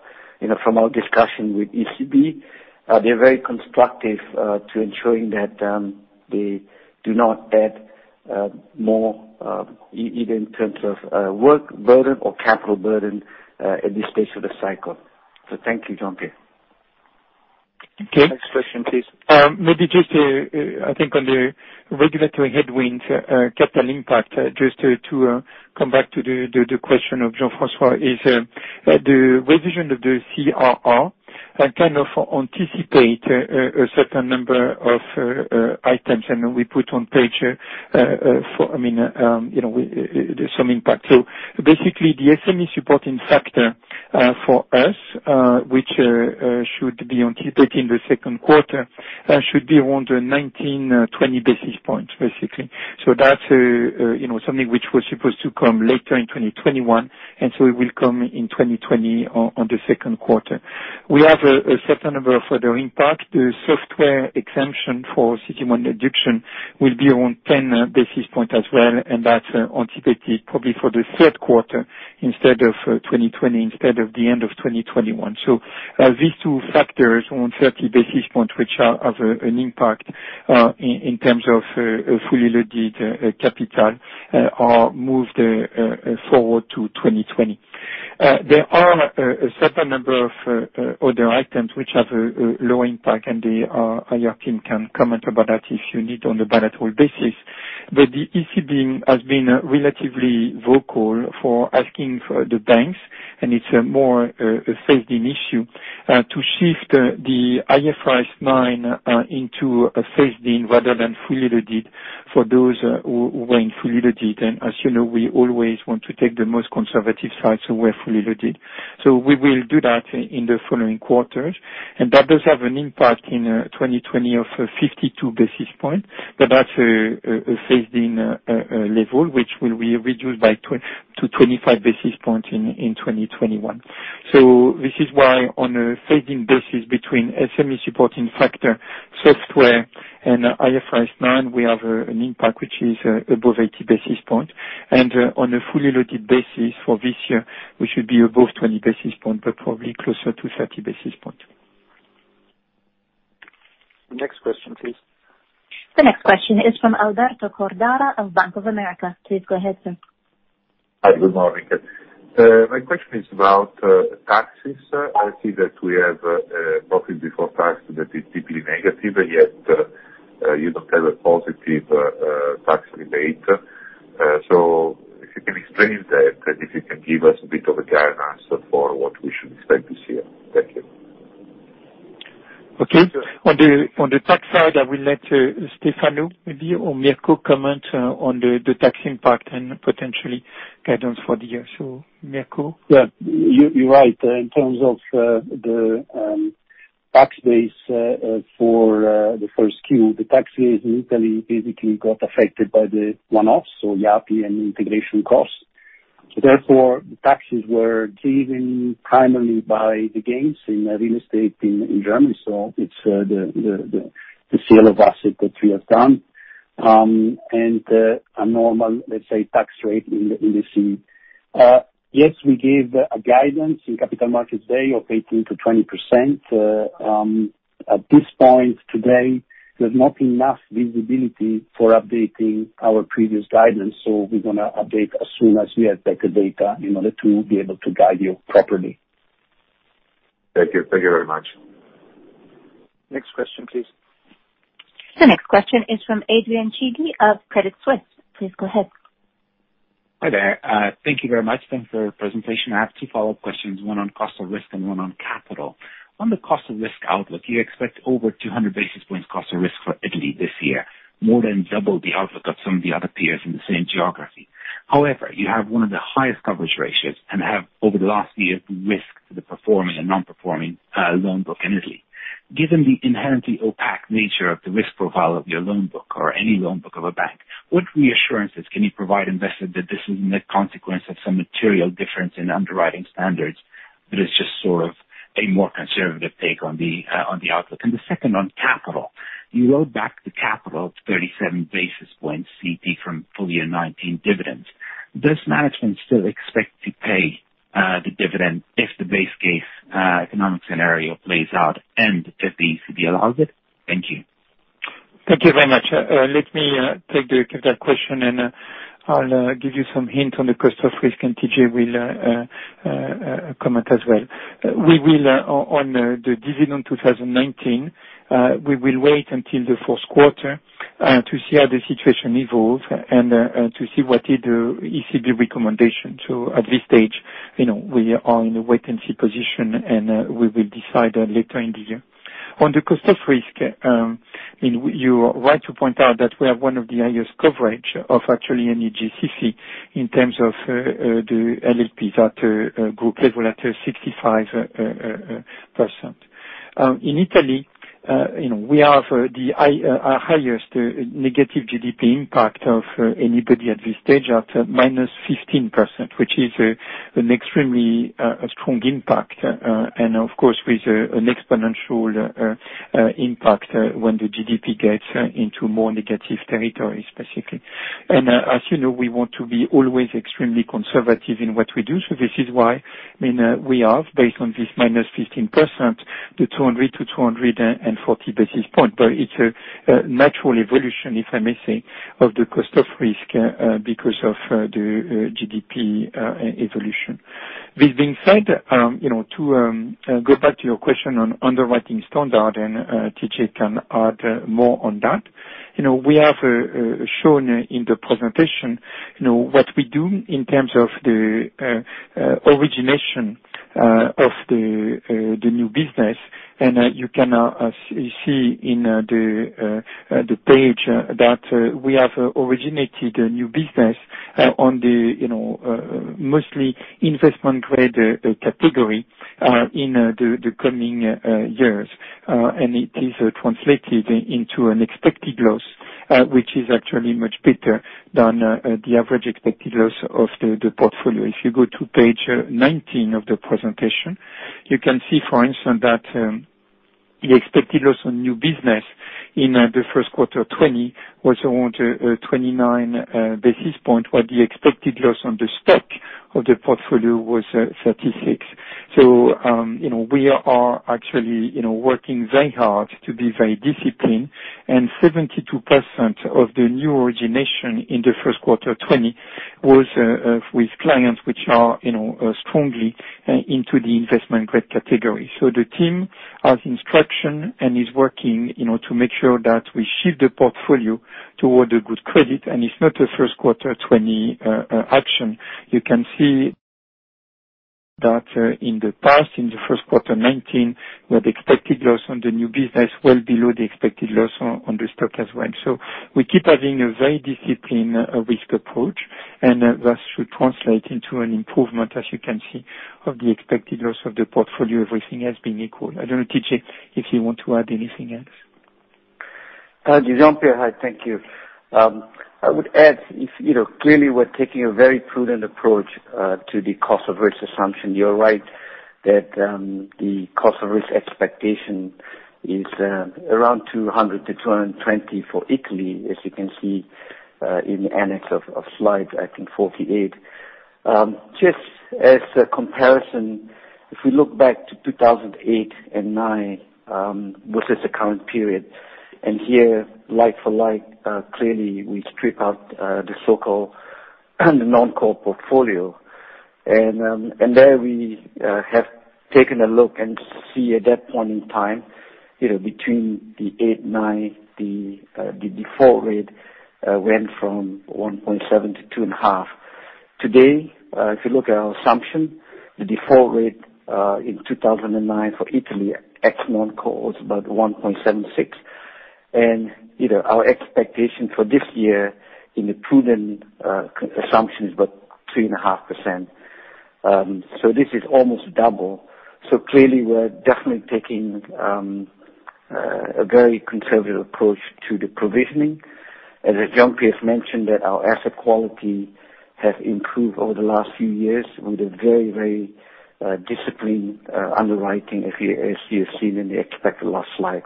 From our discussion with ECB, they're very constructive to ensuring that they do not add more, either in terms of work burden or capital burden, at this Stage of the cycle. Thank you, Jean Pierre. Okay. Next question, please. Maybe just, I think on the regulatory headwinds capital impact, just to come back to the question of Jean-François, is the revision of the CRR and kind of anticipate a certain number of items. We put on page, there's some impact. Basically the SME supporting factor for us, which should be anticipated in the second quarter, should be around 19, 20 basis points, basically. That's something which was supposed to come later in 2021. It will come in 2020 on the second quarter. We have a certain number of further impact. The software exemption for CET1 deduction will be around 10 basis points as well. That's anticipated probably for the third quarter instead of 2020, instead of the end of 2021. These two factors on 30 basis points, which have an impact in terms of fully loaded capital, are moved forward to 2020. There are a certain number of other items which have a low impact, and the IR team can comment about that if you need, on the bilateral basis. The ECB has been relatively vocal for asking the banks, and it's more a phased-in issue, to shift the IFRS9 into a phased in rather than fully loaded for those who were in fully loaded. As you know, we always want to take the most conservative side, so we're fully loaded. We will do that in the following quarters. That does have an impact in 2020 of 52 basis points, but that's a phased-in level, which will be reduced to 25 basis points in 2021. This is why on a phased-in basis, between SME supporting factor, software, and IFRS9, we have an impact which is above 80 basis points, and on a fully loaded basis for this year, we should be above 20 basis points, but probably closer to 30 basis points. Next question, please. The next question is from Alberto Cordara of Bank of America. Please go ahead, sir. Hi, good morning. My question is about taxes. I see that we have a profit before tax that is deeply negative, and yet you don't have a positive tax rebate. If you can explain that, if you can give us a bit of a guidance for what we should expect this year. Thank you. On the tax side, I will let Stefano maybe, or Mirko comment on the tax impact and potentially guidance for the year. Mirko? You're right. In terms of the tax base for the first Q, the tax base in Italy basically got affected by the one-offs, Yapı and integration costs. Therefore, the taxes were driven primarily by the gains in real estate in Germany. It's the sale of asset that we have done, and a normal, let's say, tax rate in the scene. We gave a guidance in Capital Markets Day of 18%-20%. At this point today, there's not enough visibility for updating our previous guidance, we're going to update as soon as we have better data in order to be able to guide you properly. Thank you. Thank you very much. Next question, please. The next question is from Adrian Cighi of Credit Suisse. Please go ahead. Hi there. Thank you very much. Thanks for the presentation. I have two follow-up questions, one on cost of risk and one on capital. On the cost of risk outlook, you expect over 200 basis points cost of risk for Italy this year, more than double the outlook of some of the other peers in the same geography. However, you have one of the highest coverage ratios and have, over the last year, de-risked the performing and non-performing loan book in Italy. Given the inherently opaque nature of the risk profile of your loan book or any loan book of a bank, what reassurances can you provide investors that this is a net consequence of some material difference in underwriting standards, but it's just sort of a more conservative take on the outlook? The second on capital. You wrote back the capital to 37 basis points CET1 from full year 2019 dividends. Does management still expect to pay the dividend if the base case economic scenario plays out and if the ECB allows it? Thank you. Thank you very much. Let me take that question, and I'll give you some hints on the cost of risk, and TJ will comment as well. On the dividend 2019, we will wait until the fourth quarter to see how the situation evolves and to see what is the ECB recommendation. At this Stage, we are in a wait-and-see position, and we will decide later in the year. On the cost of risk, you're right to point out that we have one of the highest coverage of actually any G-SIB in terms of the LLP that group level at 65%. In Italy, we have the highest negative GDP impact of anybody at this Stage at -15%, which is an extremely strong impact, and of course, with an exponential impact when the GDP gets into more negative territory, specifically. As you know, we want to be always extremely conservative in what we do. This is why we have, based on this -15%, the 200 to 240 basis point, but it's a natural evolution, if I may say, of the cost of risk because of the GDP evolution. With being said, to go back to your question on underwriting standard, and TJ can add more on that. We have shown in the presentation what we do in terms of the origination of the new business, you can see in the page that we have originated new business on the mostly investment-grade category in the coming years. It is translated into an expected loss, which is actually much better than the average expected loss of the portfolio. If you go to page 19 of the presentation, you can see, for instance, that the expected loss on new business in the first quarter of 2020 was around 29 basis points, while the expected loss on the stock of the portfolio was 36. We are actually working very hard to be very disciplined, and 72% of the new origination in the first quarter of 2020 was with clients which are strongly into the investment-grade category. The team has instruction and is working to make sure that we shift the portfolio toward the good credit, and it's not a first quarter 2020 action. You can see that in the past, in the first quarter 2019, where the expected loss on the new business well below the expected loss on the stock as well. We keep having a very disciplined risk approach, and that should translate into an improvement, as you can see, of the expected loss of the portfolio, everything has been equal. I don't know, TJ, if you want to add anything else. Jean Pierre, hi. Thank you. I would add, clearly, we're taking a very prudent approach to the cost of risk assumption. You're right that the cost of risk expectation is around 200 to 220 for Italy, as you can see in the annex of slide, I think, 48. Just as a comparison, if we look back to 2008 and 2009 versus the current period, and here, like for like, clearly, we strip out the so-called non-core portfolio. There we have taken a look and see at that point in time, between the 2008 and 2009, the default rate went from 1.7-2.5. Today, if you look at our assumption, the default rate in 2009 for Italy, ex non-core, was about 1.76%. Our expectation for this year in the prudent assumption is about 3.5%. This is almost double. Clearly, we're definitely taking a very conservative approach to the provisioning. As Jean-Pierre's mentioned, that our asset quality has improved over the last few years on the very disciplined underwriting, as you have seen in the expected loss slide.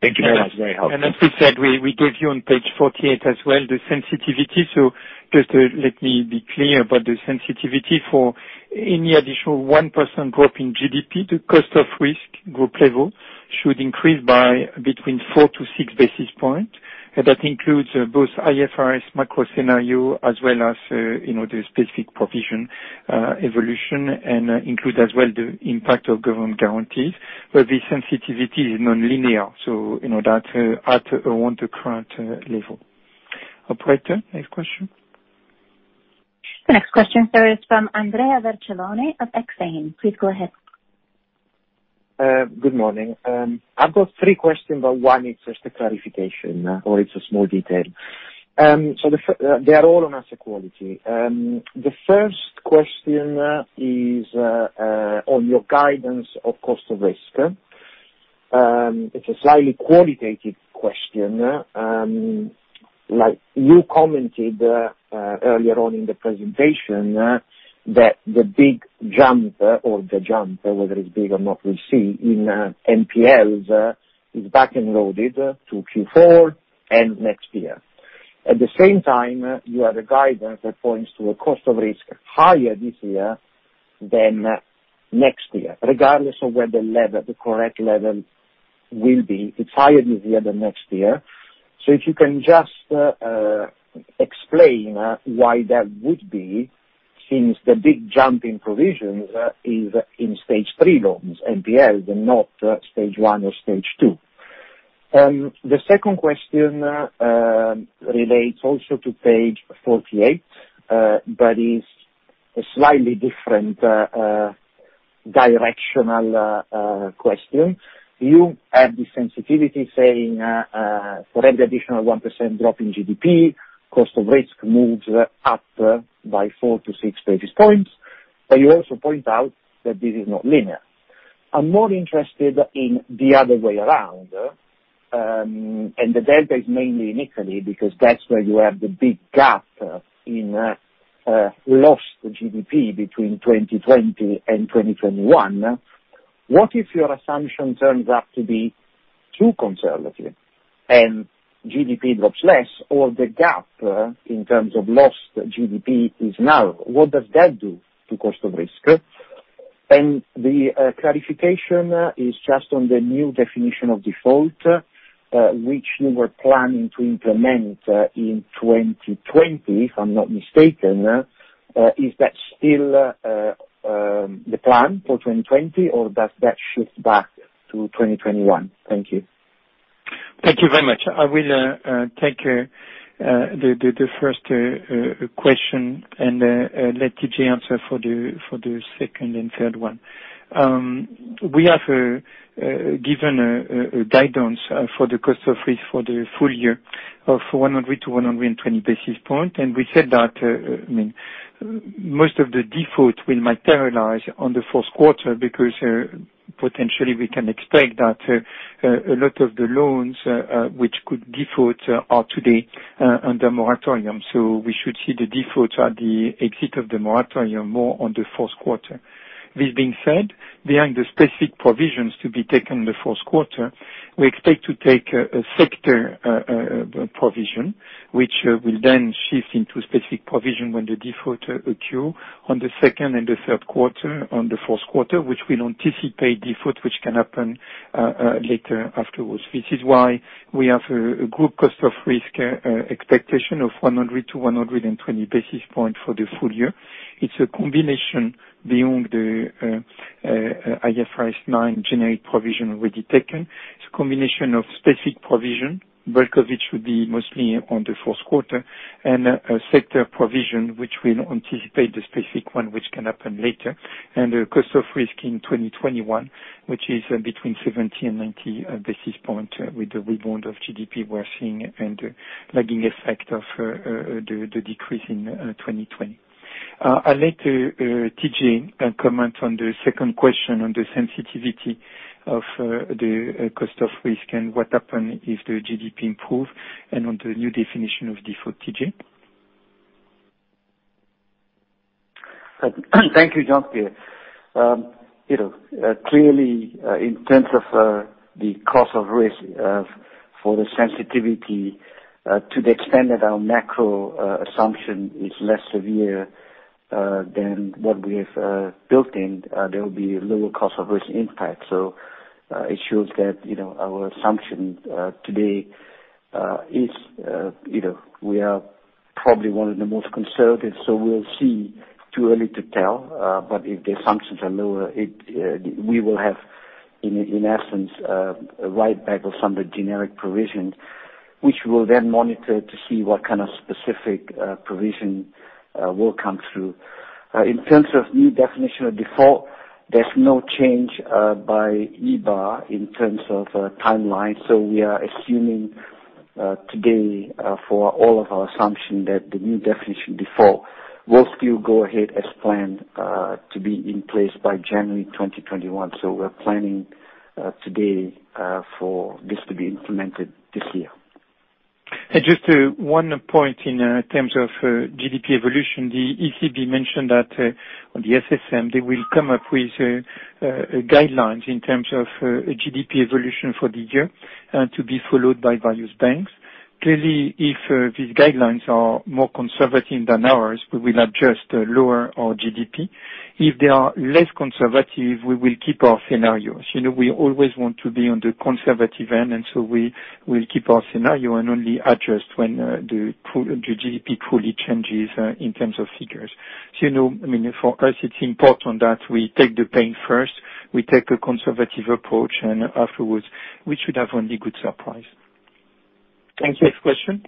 Thank you. That was very helpful. As we said, we gave you on page 48 as well the sensitivity. Just let me be clear about the sensitivity for any additional 1% drop in GDP, the cost of risk group level should increase by between 4-6 basis points. That includes both IFRS micro-scenario as well as the specific provision evolution, and includes as well the impact of government guarantees, where the sensitivity is nonlinear, so that at around the current level. Operator, next question. The next question sir is from Andrea Vercellone of Exane. Please go ahead. Good morning. I've got three questions, but one is just a clarification, or it's a small detail. They are all on asset quality. The first question is on your guidance of cost of risk. It's a slightly qualitative question. You commented earlier on in the presentation that the big jump, or the jump, whether it's big or not, we'll see, in NPLs is back-end loaded to Q4 and next year. At the same time, you have the guidance that points to a cost of risk higher this year than next year, regardless of where the correct level will be. It's higher this year than next year. If you can just explain why that would be since the big jump in provisions is in Stage 3 loans, NPLs, and not Stage 1 or Stage 2. The second question relates also to page 48, but is a slightly different directional question. You have the sensitivity saying for every additional 1% drop in GDP, cost of risk moves up by 4-6 basis points. You also point out that this is not linear. I'm more interested in the other way around. The delta is mainly in Italy, because that's where you have the big gap in lost GDP between 2020 and 2021. What if your assumption turns out to be too conservative, and GDP drops less, or the gap in terms of lost GDP is narrow? What does that do to cost of risk? The clarification is just on the new definition of default, which you were planning to implement in 2020, if I'm not mistaken. Is that still the plan for 2020, or does that shift back to 2021? Thank you. Thank you very much. I will take the first question and let TJ answer for the second and third one. We have given a guidance for the cost of risk for the full year of 100-120 basis points. We said that most of the default will materialize on the fourth quarter, because potentially we can expect that a lot of the loans which could default are today under moratorium. We should see the defaults at the exit of the moratorium more on the fourth quarter. This being said, behind the specific provisions to be taken in the fourth quarter, we expect to take a sector provision, which will then shift into specific provision when the default occur on the second and the third quarter, on the fourth quarter, which will anticipate default, which can happen later afterwards. This is why we have a group cost of risk expectation of 100-120 basis points for the full year. It's a combination beyond the IFRS9 generic provision already taken. It's a combination of specific provision, bulk of it should be mostly on the fourth quarter, and a sector provision which will anticipate the specific one, which can happen later. The cost of risk in 2021, which is between 70 and 90 basis points with the rebound of GDP we're seeing, and the lagging effect of the decrease in 2020. I'll let TJ comment on the second question on the sensitivity of the cost of risk and what happen if the GDP improve and on the new definition of default. TJ? Thank you, Jean Pierre. Clearly, in terms of the cost of risk for the sensitivity, to the extent that our macro assumption is less severe than what we have built in, there will be a lower cost of risk impact. It shows that our assumption today is we are probably one of the most conservative, so we'll see. Too early to tell, but if the assumptions are lower, we will have, in essence, a write-back of some of the generic provisions, which we'll then monitor to see what kind of specific provision will come through. In terms of new definition of default, there's no change by EBA in terms of timeline. We are assuming today, for all of our assumption, that the new definition default will still go ahead as planned to be in place by January 2021. We're planning today for this to be implemented this year. Just one point in terms of GDP evolution. The ECB mentioned that on the SSM, they will come up with guidelines in terms of GDP evolution for the year to be followed by various banks. Clearly, if these guidelines are more conservative than ours, we will adjust lower our GDP. If they are less conservative, we will keep our scenarios. We always want to be on the conservative end, we will keep our scenario and only adjust when the GDP fully changes in terms of figures. For us, it's important that we take the pain first, we take a conservative approach, and afterwards we should have only good surprise. Thank you. Next question.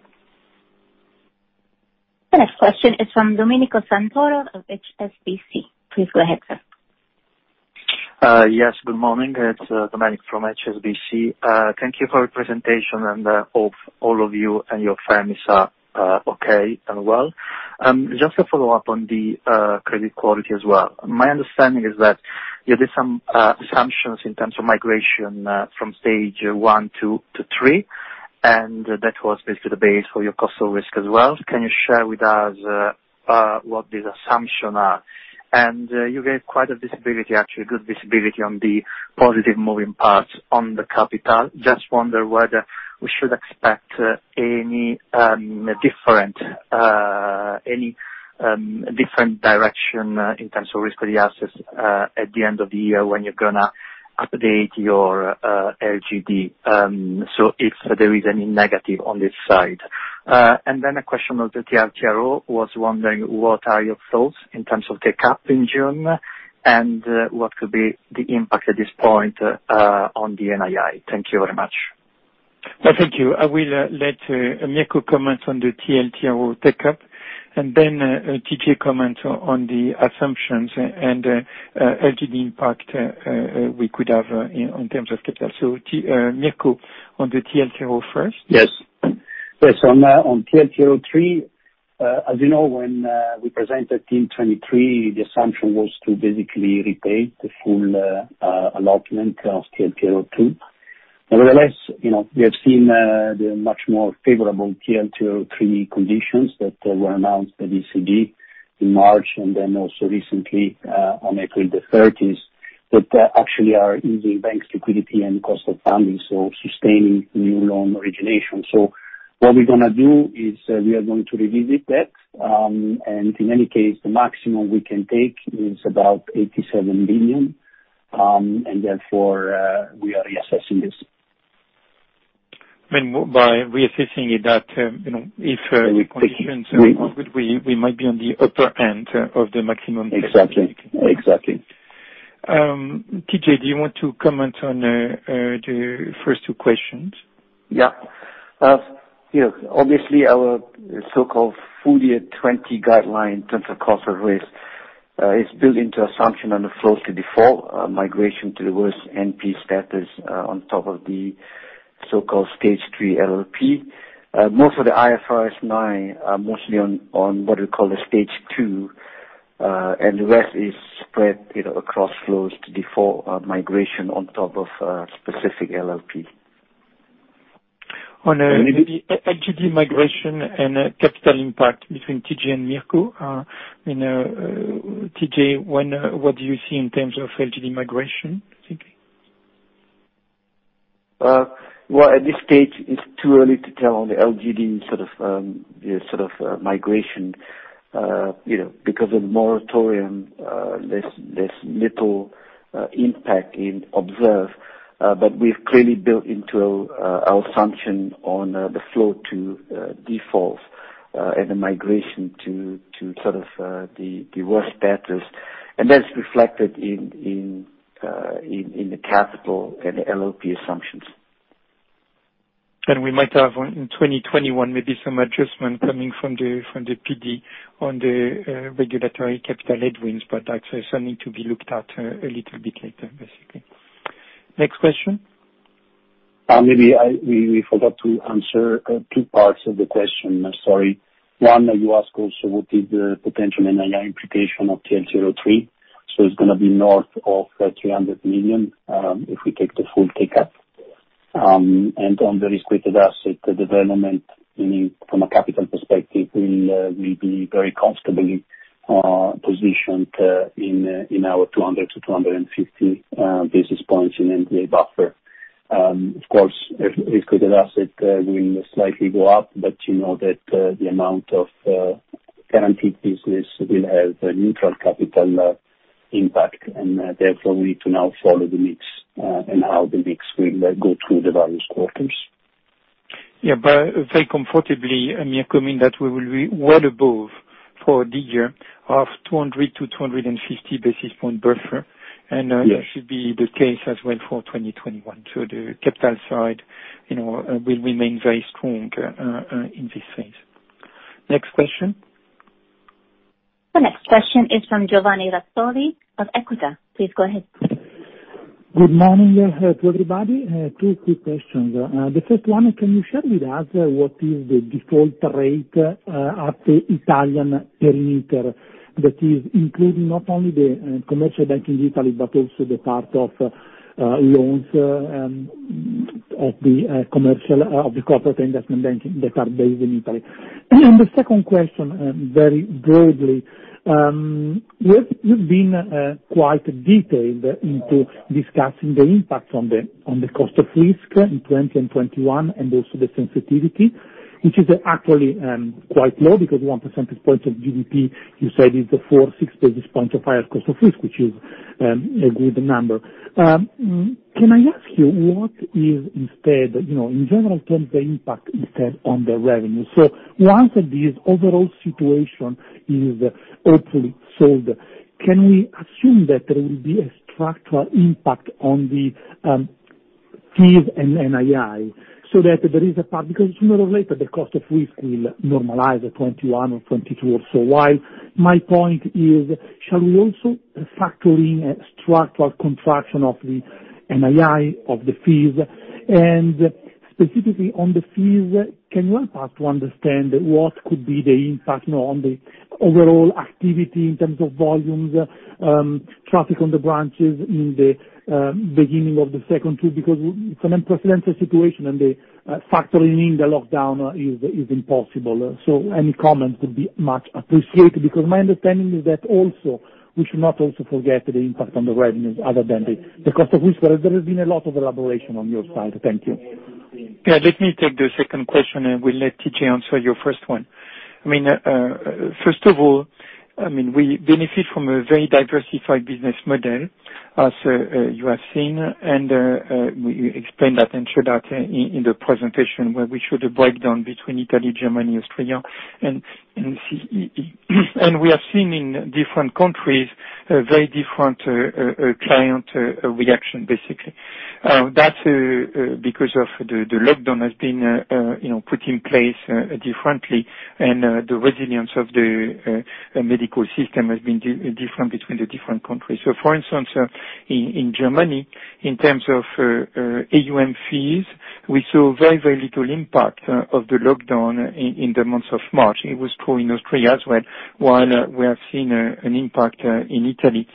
Next question is from Domenico Santoro of HSBC. Please go ahead, sir. Yes, good morning. It's Domenic from HSBC. Thank you for your presentation and hope all of you and your families are okay and well. A follow-up on the credit quality as well. My understanding is that you did some assumptions in terms of migration from Stage 1, 2 to 3, and that was basically the base for your cost of risk as well. Can you share with us what these assumptions are? You gave quite a visibility, actually, good visibility on the positive moving parts on the capital. Wonder whether we should expect any different direction in terms of risk-weighted assets at the end of the year when you're going to update your LGD. If there is any negative on this side. A question on the TLTRO. Was wondering, what are your thoughts in terms of take-up in June, and what could be the impact at this point on the NII? Thank you very much. Thank you. I will let Mirko comment on the TLTRO take-up, and then TJ comment on the assumptions and LGD impact we could have in terms of capital. Mirko, on the TLTRO first. Yes. On TLTRO III, as you know, when we presented in 2023, the assumption was to basically repay the full allotment of TLTRO II. We have seen the much more favorable TLTRO III conditions that were announced by the ECB in March, and also recently on April 30th, that actually are easing banks' liquidity and cost of funding, sustaining new loan origination. What we're going to do is we are going to revisit that. In any case, the maximum we can take is about 87 billion, therefore we are reassessing this. By reassessing it, that if the conditions are good, we might be on the upper end of the maximum. Exactly. TJ, do you want to comment on the first two questions? Yeah. Obviously, our so-called full year 2020 guideline in terms of cost of risk, is built into assumption on the flow to default, migration to the worst NPE status on top of the so-called Stage 3 LLP. Most of the IFRS 9 are mostly on what we call the Stage 2, and the rest is spread across flows to default migration on top of specific LLP. On LGD migration and capital impact between TJ and Mirko. TJ, what do you see in terms of LGD migration, basically? Well, at this Stage, it's too early to tell on the LGD sort of migration, because of the moratorium, there's little impact in observe. We've clearly built into our assumption on the flow to defaults and the migration to the worst debtors. That's reflected in the capital and the LLP assumptions. We might have one in 2021, maybe some adjustment coming from the PD on the regulatory capital headwinds. Actually, something to be looked at a little bit later, basically. Next question. Maybe we forgot to answer two parts of the question, sorry. One, you ask also what is the potential NII implication of TLTRO III. It's going to be north of 300 million, if we take the full kick up. On the risk-weighted asset, the development, from a capital perspective, we'll be very comfortably positioned in our 200-250 basis points in MDA buffer. Of course, risk-weighted asset will slightly go up, but you know that the amount of guaranteed business will have a neutral capital impact, and therefore we need to now follow the mix, and how the mix will go through the various quarters. Yeah, very comfortably, Mirko mean that we will be well above for the year of 200-250 basis point buffer. Yes. That should be the case as well for 2021. The capital side will remain very strong in this phase. Next question. The next question is from Giovanni Razzoli of EQUITA. Please go ahead. Good morning to everybody. Two quick questions. The first one, can you share with us what is the default rate at the Italian perimeter, that is including not only the commercial bank in Italy, but also the part of loans of the Corporate & Investment Banking that are based in Italy. The second question, very broadly, you've been quite detailed into discussing the impact on the cost of risk in 2020 and 2021 and also the sensitivity, which is actually quite low because 1 percentage point of GDP, you said, is the 4-6 basis points of higher cost of risk, which is a good number. Can I ask you what is instead, in general terms, the impact instead on the revenue? Once this overall situation is hopefully solved, can we assume that there will be a structural impact on the fees and NII? Sooner or later, the cost of risk will normalize at 2021 or 2022 or so. My point is, shall we also factor in a structural contraction of the NII of the fees? Specifically on the fees, can you help us to understand what could be the impact on the overall activity in terms of volumes, traffic on the branches in the beginning of the second two? It's an unprecedented situation, and the factor in the lockdown is impossible. Any comment would be much appreciated, because my understanding is that also, we should not also forget the impact on the revenues other than the cost of risk, where there has been a lot of elaboration on your side. Thank you. Yeah, let me take the second question, and we'll let TJ answer your first one. First of all, we benefit from a very diversified business model as you have seen, and we explained that and showed that in the presentation where we showed a breakdown between Italy, Germany, Austria. We have seen in different countries a very different client reaction, basically. That's because of the lockdown has been put in place differently. The resilience of the medical system has been different between the different countries. For instance, in Germany, in terms of AUM fees, we saw very, very little impact of the lockdown in the months of March. It was true in Austria as well. While we have seen an impact in Italy,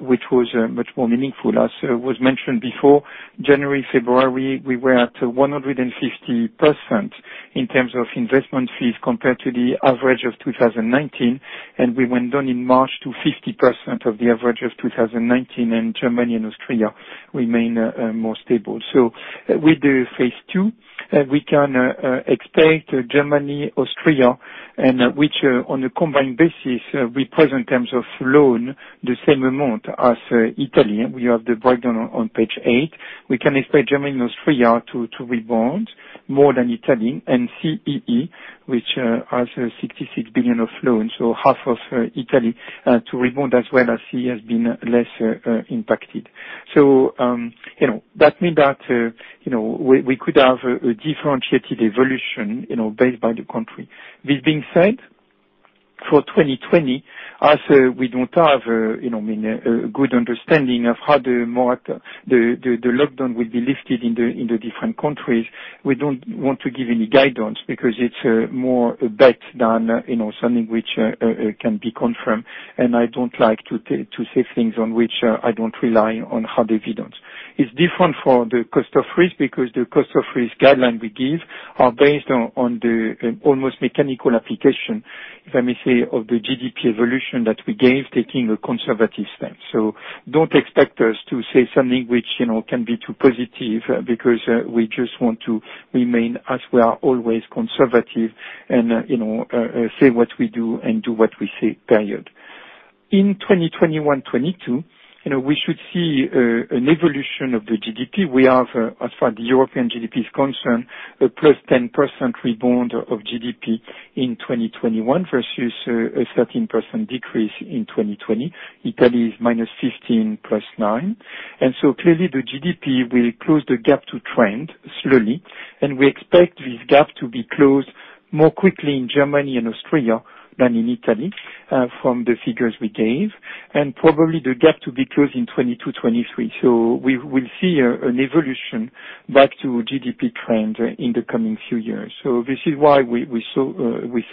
which was much more meaningful. As was mentioned before, January, February, we were at 150% in terms of investment fees compared to the average of 2019, and we went down in March to 50% of the average of 2019, and Germany and Austria remain more stable. With the phase II, we can expect Germany, Austria, and which on a combined basis represent in terms of loan, the same amount as Italy. We have the breakdown on page eight. We can expect Germany and Austria to rebound more than Italy, and CEE, which has 66 billion of loans, so half of Italy, to rebound as well as CEE has been less impacted. That means that we could have a differentiated evolution based by the country. This being said, for 2020, as we don't have a good understanding of how the lockdown will be lifted in the different countries, we don't want to give any guidance because it's more a bet than something which can be confirmed, and I don't like to say things on which I don't rely on hard evidence. It's different for the cost of risk. The cost of risk guideline we give are based on the almost mechanical application, let me say, of the GDP evolution that we gave, taking a conservative stance. Don't expect us to say something which can be too positive. We just want to remain as we are, always conservative, and say what we do and do what we say, period. In 2021, 2022, we should see an evolution of the GDP. We have, as far as the European GDP is concerned, a +10% rebound of GDP in 2021 versus a 13% decrease in 2020. Italy is -15 +9. Clearly the GDP will close the gap to trend slowly, and we expect this gap to be closed more quickly in Germany and Austria than in Italy, from the figures we gave, and probably the gap to be closed in 2022, 2023. We will see an evolution back to GDP trend in the coming few years. This is why we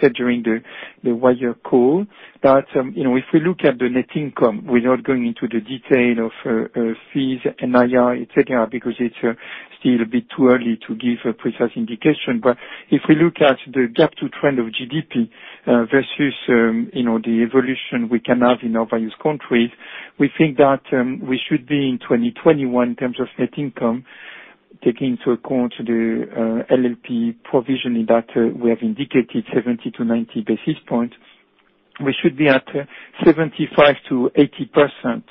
said during the wider call that if we look at the net income, we're not going into the detail of fees, NII, et cetera, because it's still a bit too early to give a precise indication. If we look at the gap to trend of GDP versus the evolution we can have in our various countries, we think that we should be in 2021 in terms of net income, taking into account the LLP provisioning that we have indicated, 70-90 basis points. We should be at 75%-80%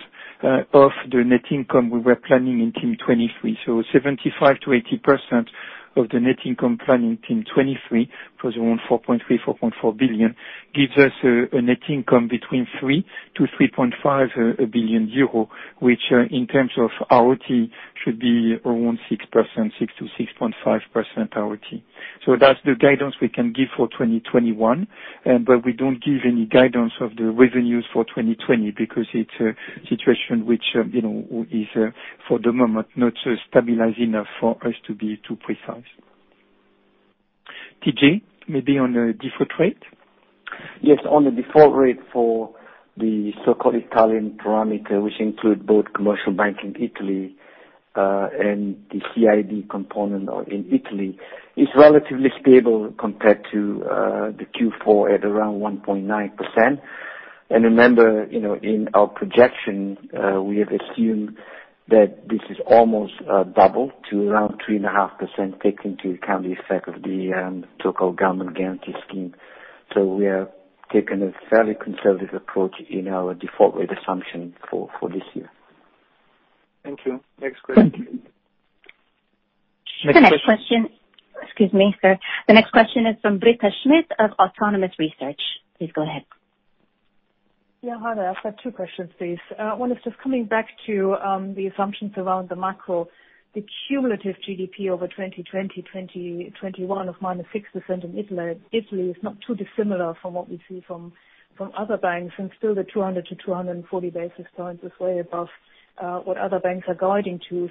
of the net income we were planning in Team 23. 75%-80% of the net income planning Team 23 was around 4.3 billion, 4.4 billion, gives us a net income between 3 billion-3.5 billion euro, which, in terms of ROTE, should be around 6%-6.5% ROTE. That's the guidance we can give for 2021. We don't give any guidance of the revenues for 2020 because it's a situation which is, for the moment, not stabilized enough for us to be too precise. TJ, maybe on the default rate? Yes, on the default rate for the so-called Italian parameter, which include both commercial bank in Italy, and the CIB component in Italy, is relatively stable compared to the Q4 at around 1.9%. Remember, in our projection, we have assumed that this is almost double to around 3.5% take into account the effect of the so-called government guarantee scheme. We have taken a fairly conservative approach in our default rate assumption for this year. Thank you. Next question. The next question. Excuse me, sir. The next question is from Britta Schmidt of Autonomous Research. Please go ahead. Yeah, hi there. I've got two questions, please. One is just coming back to the assumptions around the macro. The cumulative GDP over 2020, 2021 of -6% in Italy is not too dissimilar from what we see from other banks, still the 200-240 basis points is way above what other banks are guiding to.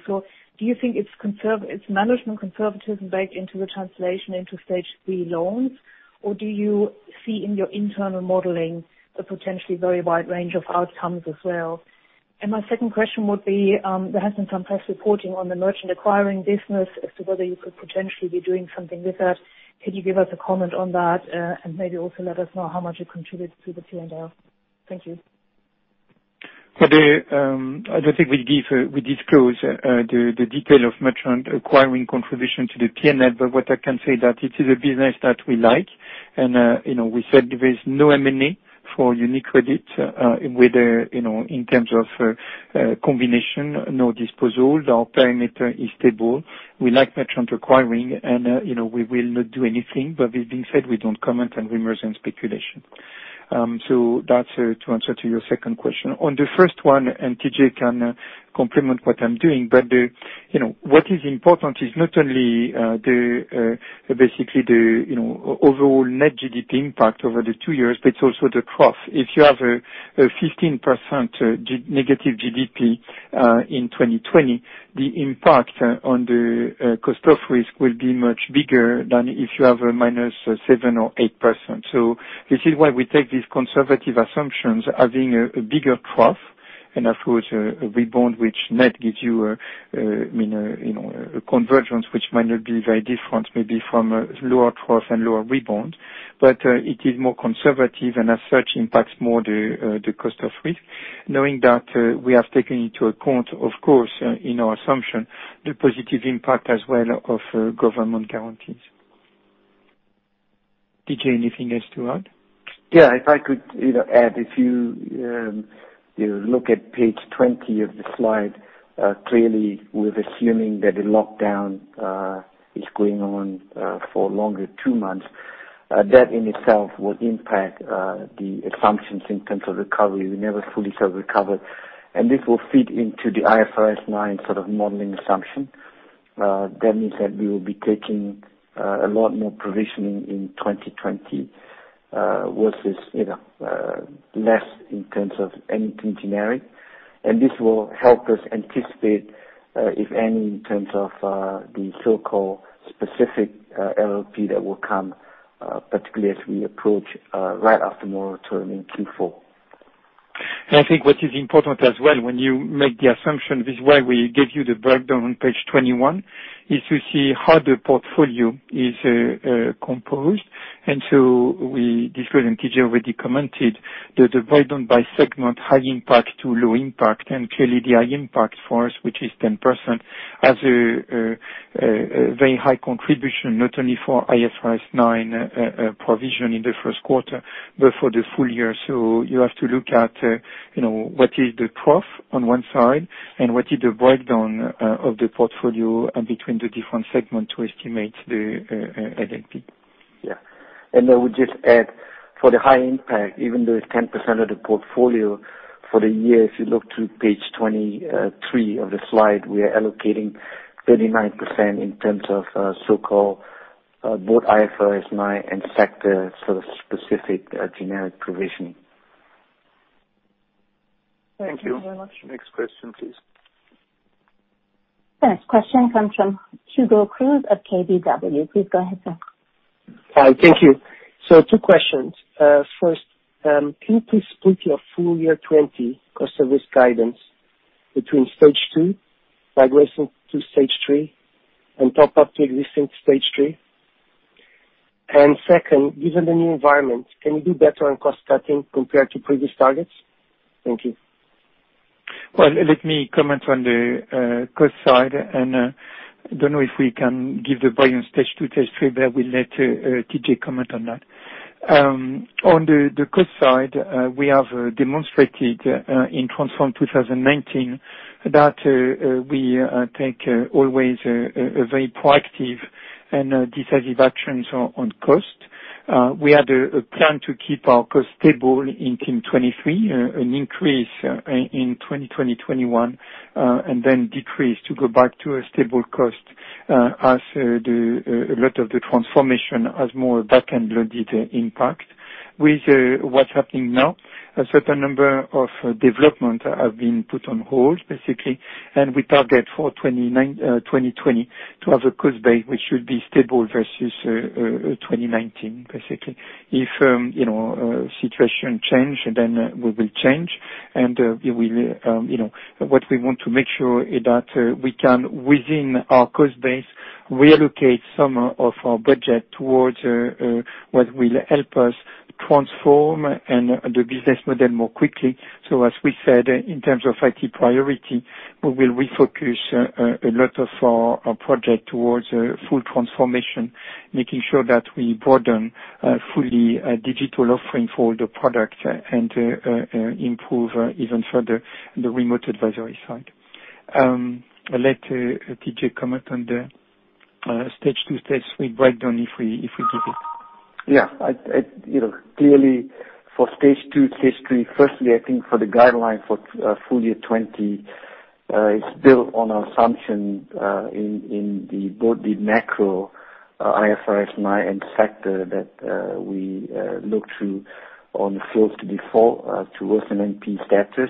Do you think it's management conservatism baked into the translation into Stage 3 loans, or do you see in your internal modeling a potentially very wide range of outcomes as well? My second question would be, there has been some press reporting on the merchant acquiring business as to whether you could potentially be doing something with that. Could you give us a comment on that? Maybe also let us know how much it contributes to the P&L. Thank you. I don't think we disclose the detail of merchant acquiring contribution to the P&L. What I can say that it is a business that we like. We said there is no M&A for UniCredit, whether in terms of combination, no disposal, our parameter is stable. We like merchant acquiring, and we will not do anything. With being said, we don't comment on rumors and speculation. That's to answer to your second question. On the first one, TJ can complement what I'm doing, but what is important is not only basically the overall net GDP impact over the two years, but it's also the trough. If you have a 15% negative GDP in 2020, the impact on the cost of risk will be much bigger than if you have a -7 or 8%. This is why we take these conservative assumptions as being a bigger trough, and of course, a rebound, which net gives you a convergence which might not be very different, maybe from a lower trough and lower rebound. It is more conservative, and as such, impacts more the cost of risk, knowing that we have taken into account, of course, in our assumption, the positive impact as well of government guarantees. TJ, anything else to add? Yeah. If I could add, if you look at page 20 of the slide, clearly, we're assuming that the lockdown is going on for longer two months. That in itself will impact the assumptions in terms of recovery. We never fully have recovered, and this will feed into the IFRS 9 sort of modeling assumption. That means that we will be taking a lot more provisioning in 2020 versus less in terms of anything generic. This will help us anticipate, if any, in terms of the so-called specific LLP that will come, particularly as we approach right after moratorium in Q4. I think what is important as well, when you make the assumption, this is why we give you the breakdown on page 21, is to see how the portfolio is composed. This was already commented, the breakdown by segment, high impact to low impact, and clearly the high impact for us, which is 10%, has a very high contribution, not only for IFRS 9 provision in the first quarter, but for the full year. You have to look at what is the provision on one side, and what is the breakdown of the portfolio between the different segments to estimate the LLP. Yeah. I would just add for the high impact, even though it's 10% of the portfolio, for the year, if you look to page 23 of the slide, we are allocating 39% in terms of so-called both IFRS 9 and factor sort of specific generic provision. Thank you. Thank you very much. Next question, please. Next question comes from Hugo Cruz at KBW. Please go ahead, sir. Hi. Thank you. Two questions. First, can you please split your full year 2020 cost of risk guidance between Stage 2, migration to Stage 3, and top-up to existing Stage 3? Second, given the new environment, can you do better on cost-cutting compared to previous targets? Thank you. Well, let me comment on the cost side. I don't know if we can give the volume Stage 2, Stage 3, but I will let TJ comment on that. On the cost side, we have demonstrated in Transform 2019 that we take always a very proactive and decisive actions on cost. We had a plan to keep our cost stable in 2023, an increase in 2020, 2021, then decrease to go back to a stable cost as a lot of the transformation has more back-end loaded impact. With what's happening now, a certain number of development have been put on hold, basically. We target for 2020 to have a cost base which should be stable versus 2019, basically. If situation change, then we will change, and what we want to make sure is that we can, within our cost base, reallocate some of our budget towards what will help us transform the business model more quickly. As we said, in terms of IT priority, we will refocus a lot of our project towards full transformation, making sure that we broaden a fully digital offering for the product and improve even further the remote advisory side. I'll let TJ comment on the Stage 2, Stage 3 breakdown if we give it. Yeah. Clearly for Stage 2, Stage 3, firstly, I think for the guideline for full year 2020, it's built on our assumption in both the macro IFRS 9 and factor that we look to on the close to default towards an NPE status,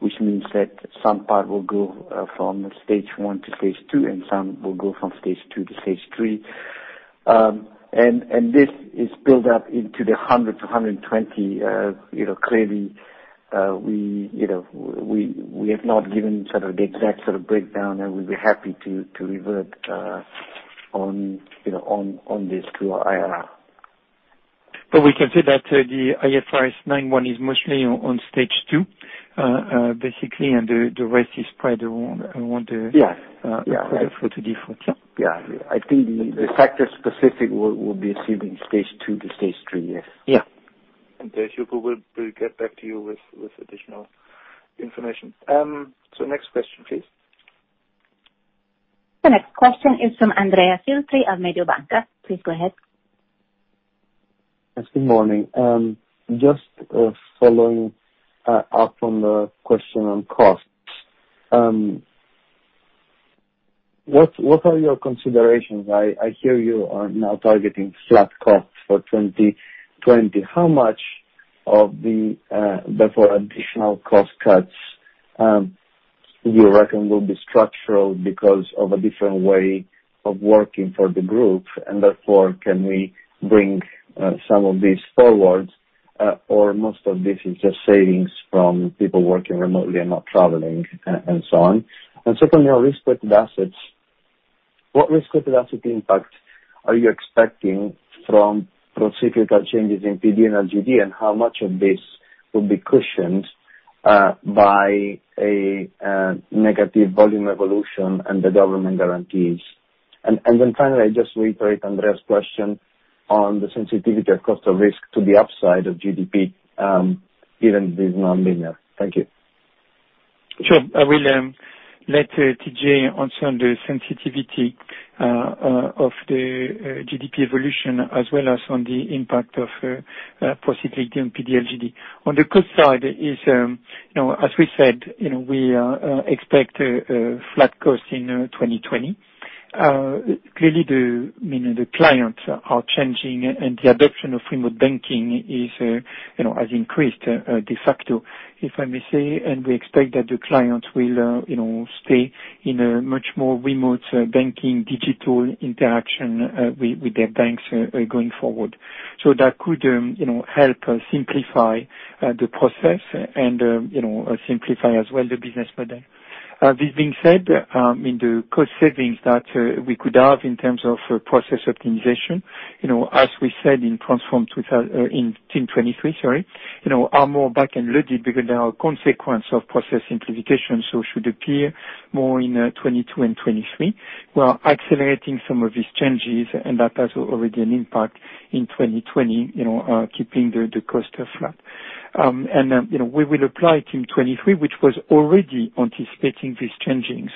which means that some part will go from Stage 1 to Stage 2, and some will go from Stage 2 to Stage 3. This is built up into the 100-120. Clearly, we have not given sort of the exact sort of breakdown, and we'll be happy to revert on this to our IR. We can say that the IFRS 9 one is mostly on Stage 2, basically, and the rest is spread around - Yeah - for the default. Yeah. Yeah. I think the factor specific will be sitting Stage 2 to Stage 3. Yes. Yeah. Hugo, we'll get back to you with additional information. Next question, please. The next question is from Andrea Filtri of Mediobanca. Please go ahead. Yes, good morning. Just following up on the question on costs. What are your considerations? I hear you are now targeting flat costs for 2020. How much of the therefore additional cost cuts do you reckon will be structural because of a different way of working for the group, and therefore, can we bring some of this forward, or most of this is just savings from people working remotely and not traveling, and so on? Secondly, on risk-weighted assets, what risk-weighted asset impact are you expecting from procyclical changes in PD and LGD, and how much of this will be cushioned by a negative volume evolution and the government guarantees? Finally, I just reiterate Adrian's question on the sensitivity of cost of risk to the upside of GDP, given it is non-linear. Thank you. Sure. I will let TJ answer on the sensitivity of the GDP evolution as well as on the impact of possibly the PD LGD. On the cost side, as we said, we expect a flat cost in 2020. Clearly, the clients are changing, and the adoption of remote banking has increased de facto. If I may say, we expect that the clients will stay in a much more remote banking digital interaction with their banks going forward. That could help us simplify the process and simplify as well the business model. This being said, the cost savings that we could have in terms of process optimization, as we said in Team 23, are more back-ended because they are a consequence of process simplification, should appear more in 2022 and 2023. We are accelerating some of these changes. That has already an impact in 2020, keeping the cost flat. We will apply Team 23, which was already anticipating this changing.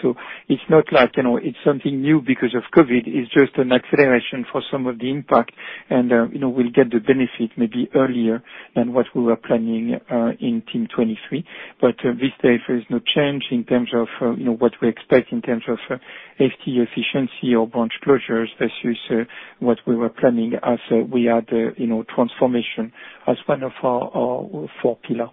It's not like it's something new because of COVID-19, it's just an acceleration for some of the impact. We'll get the benefit maybe earlier than what we were planning in Team 23. This therefore is no change in terms of what we expect in terms of FTE efficiency or branch closures versus what we were planning as we had transformation as one of our four pillar.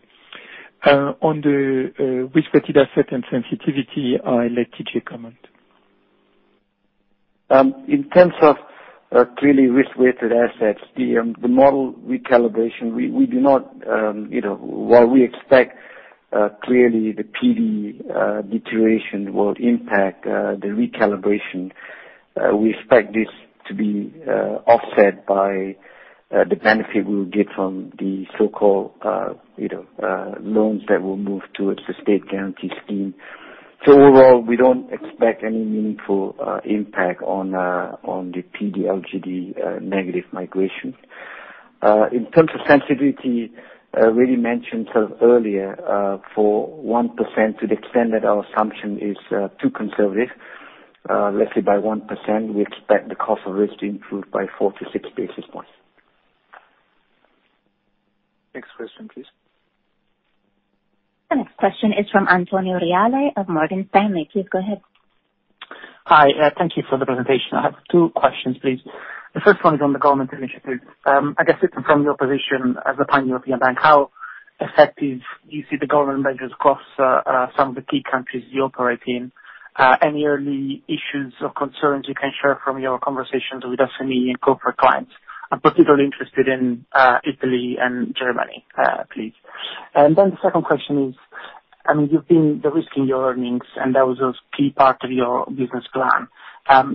On the risk-weighted asset and sensitivity, I'll let TJ comment. In terms of clearly risk-weighted assets, the model recalibration, while we expect clearly the PD deterioration will impact the recalibration, we expect this to be offset by the benefit we'll get from the so-called loans that will move towards the state guarantee scheme. Overall, we don't expect any meaningful impact on the PD LGD negative migration. In terms of sensitivity, I already mentioned earlier, for 1% to the extent that our assumption is too conservative. Let's say by 1%, we expect the cost of risk to improve by 4-6 basis points. Next question, please. The next question is from Antonio Reale of Morgan Stanley. Please go ahead. Hi. Thank you for the presentation. I have two questions, please. The first one is on the government initiative. I guess, from your position as a pan-European bank, how effective do you see the government measures across some of the key countries you operate in? Any early issues or concerns you can share from your conversations with SME and corporate clients? I'm particularly interested in Italy and Germany, please. The second question is, you've been de-risking your earnings, and that was a key part of your business plan.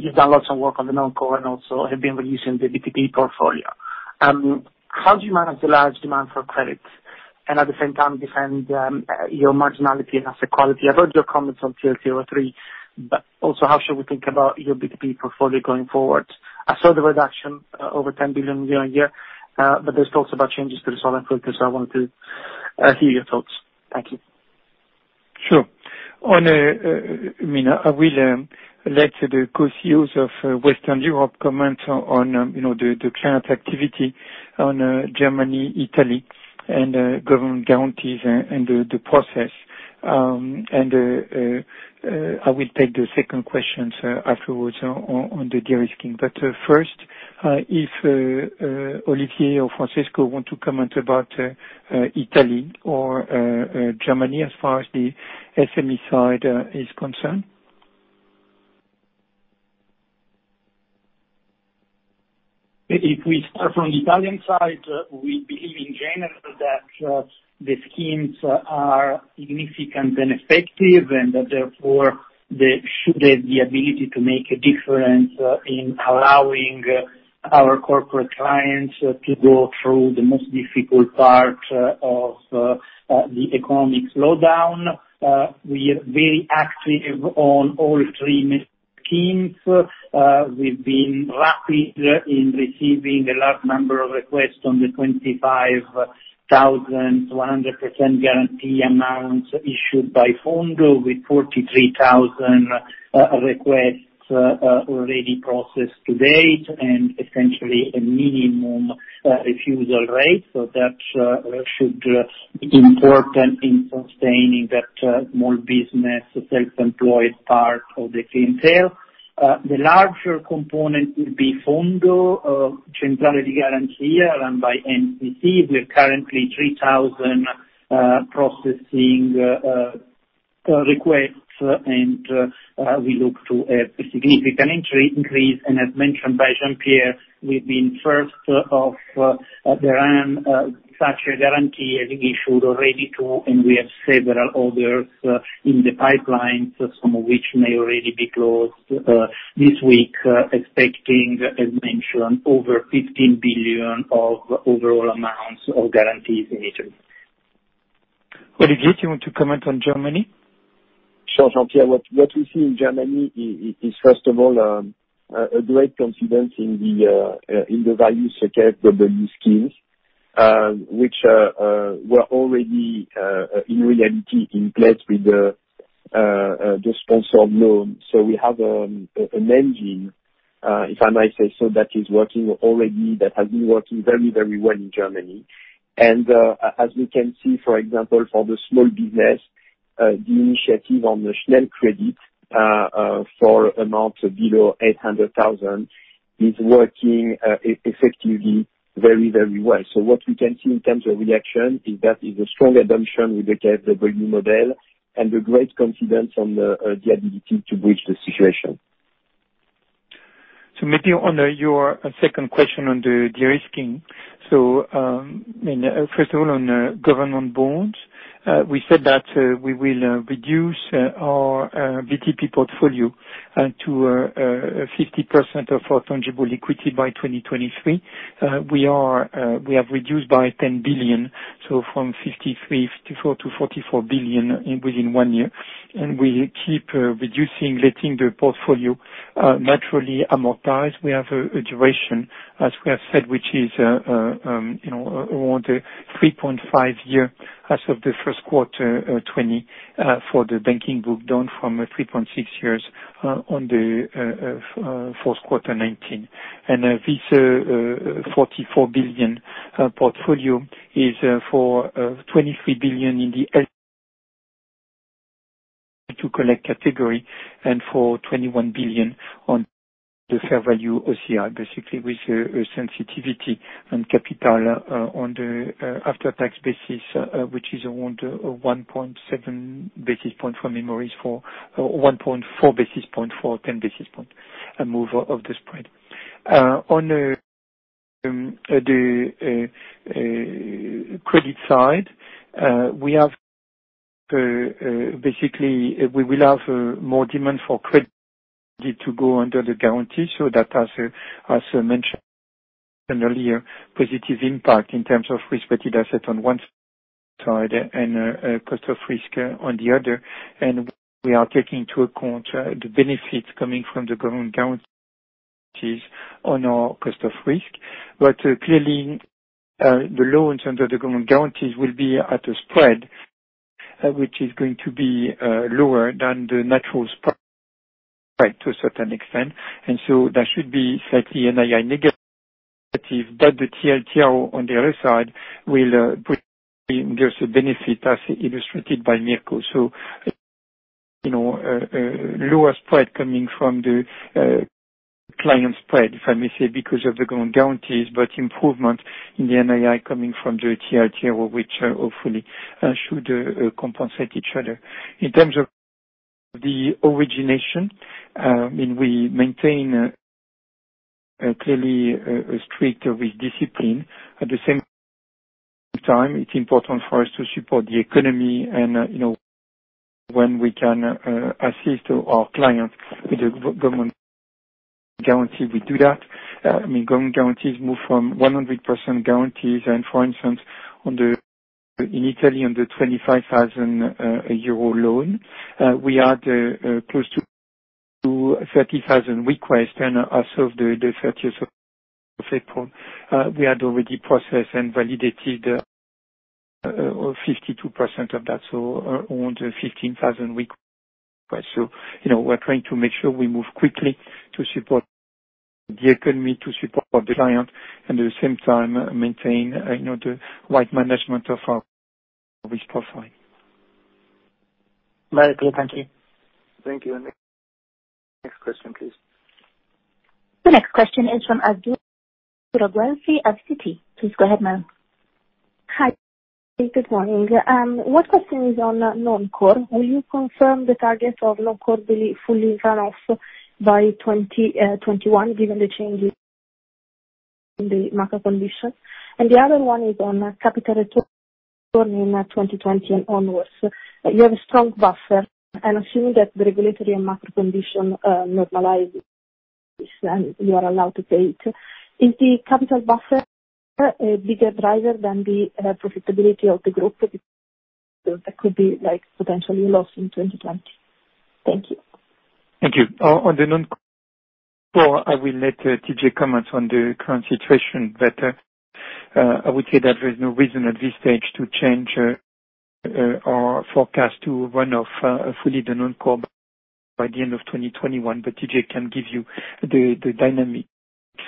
You've done lots of work on the non-core and also have been reducing the BTP portfolio. How do you manage the large demand for credit and at the same time defend your marginality and asset quality? I've heard your comments on TLTRO III, but also how should we think about your BTP portfolio going forward? I saw the reduction over 10 billion year-on-year. There's talks about changes to the solid focus. I want to hear your thoughts. Thank you. Sure. I will let the co-CEOs of Western Europe comment on the client activity on Germany, Italy, and government guarantees, and the process. I will take the second questions afterwards on the de-risking. First, if Olivier or Francesco want to comment about Italy or Germany as far as the SME side is concerned. If we start from the Italian side, we believe in general that the schemes are significant and effective. Therefore, they should have the ability to make a difference in allowing our corporate clients to go through the most difficult part of the economic slowdown. We are very active on all three schemes. We've been rapid in receiving a large number of requests on the 25,000 100% guarantee amounts issued by Fondo, with 43,000 requests already processed to date. Essentially, a minimum refusal rate. That should be important in sustaining that small business, self-employed part of the clientele. The larger component will be Fondo Centrale di Garanzia run by MCC. We're currently 3,000 processing requests. We look to a significant increase. As mentioned by Jean Pierre, we've been first off the run. Such a guarantee has issued already to, and we have several others in the pipeline, some of which may already be closed this week, expecting, as mentioned, over 15 billion of overall amounts of guarantees in Italy. Olivier, do you want to comment on Germany? Sure, Jean-Pierre. What we see in Germany is, first of all, a great confidence in the values inaudible schemes, which were already in reality in place with the sponsored loan. We have an engine, if I may say so, that is working already, that has been working very well in Germany. As we can see, for example, for the small business, the initiative on the Schnell Credits for amounts below 800,000 is working effectively very well. What we can see in terms of reaction is that it's a strong adoption with the value model and the great confidence on the ability to bridge the situation. Maybe on your second question on the de-risking. First of all, on government bonds, we said that we will reduce our BTP portfolio to 50% of our tangible liquidity by 2023. We have reduced by 10 billion, from 53 billion, 54 billion-44 billion within one year. We keep reducing, letting the portfolio naturally amortize. We have a duration, as we have said, which is around a 3.5 year as of the first quarter 2020 for the banking book, down from 3.6 years on the fourth quarter 2019. This 44 billion portfolio is for 23 billion in the to collect category and for 21 billion on the fair value OCI, basically with sensitivity on capital on the after-tax basis, which is around 1.7 basis point from memories for 1.4 basis point for 10 basis point, a move of the spread. On the credit side, basically we will have more demand for credit to go under the guarantee. That has, as mentioned earlier, positive impact in terms of risk-weighted asset on one side and cost of risk on the other. We are taking into account the benefits coming from the government guarantees on our cost of risk. Clearly, the loans under the government guarantees will be at a spread, which is going to be lower than the natural spread to a certain extent. That should be slightly NII negative, but the TLTRO on the other side will put in just a benefit, as illustrated by Mirko. A lower spread coming from the client spread, if I may say, because of the government guarantees, but improvement in the NII coming from the TLTRO, which hopefully should compensate each other. In terms of the origination, we maintain clearly a strict risk discipline. At the same time, it's important for us to support the economy and when we can assist our client with a government guarantee, we do that. Government guarantees move from 100% guarantees. For instance, in Italy, on the 25,000 euro loan, we had close to 30,000 requests. As of the 30th of April, we had already processed and validated 52% of that, so around 15,000 requests. We're trying to make sure we move quickly to support the economy, to support the client, and at the same time, maintain the right management of our risk profile. Thank you. Thank you. Next question, please. The next question is from Azzurra Guelfi at Citi. Please go ahead, ma'am. Hi, good morning. One question is on non-core. Will you confirm the target of non-core fully run off by 2021, given the changes in the market condition? The other one is on capital return in 2020 onwards. You have a strong buffer, and assuming that the regulatory and market condition normalize, and you are allowed to pay it, is the capital buffer a bigger driver than the profitability of the group that could be potentially lost in 2020? Thank you. Thank you. On the non-core, I will let TJ comment on the current situation. I would say that there is no reason at this stage to change our forecast to run off fully the non-core by the end of 2021. TJ can give you the dynamics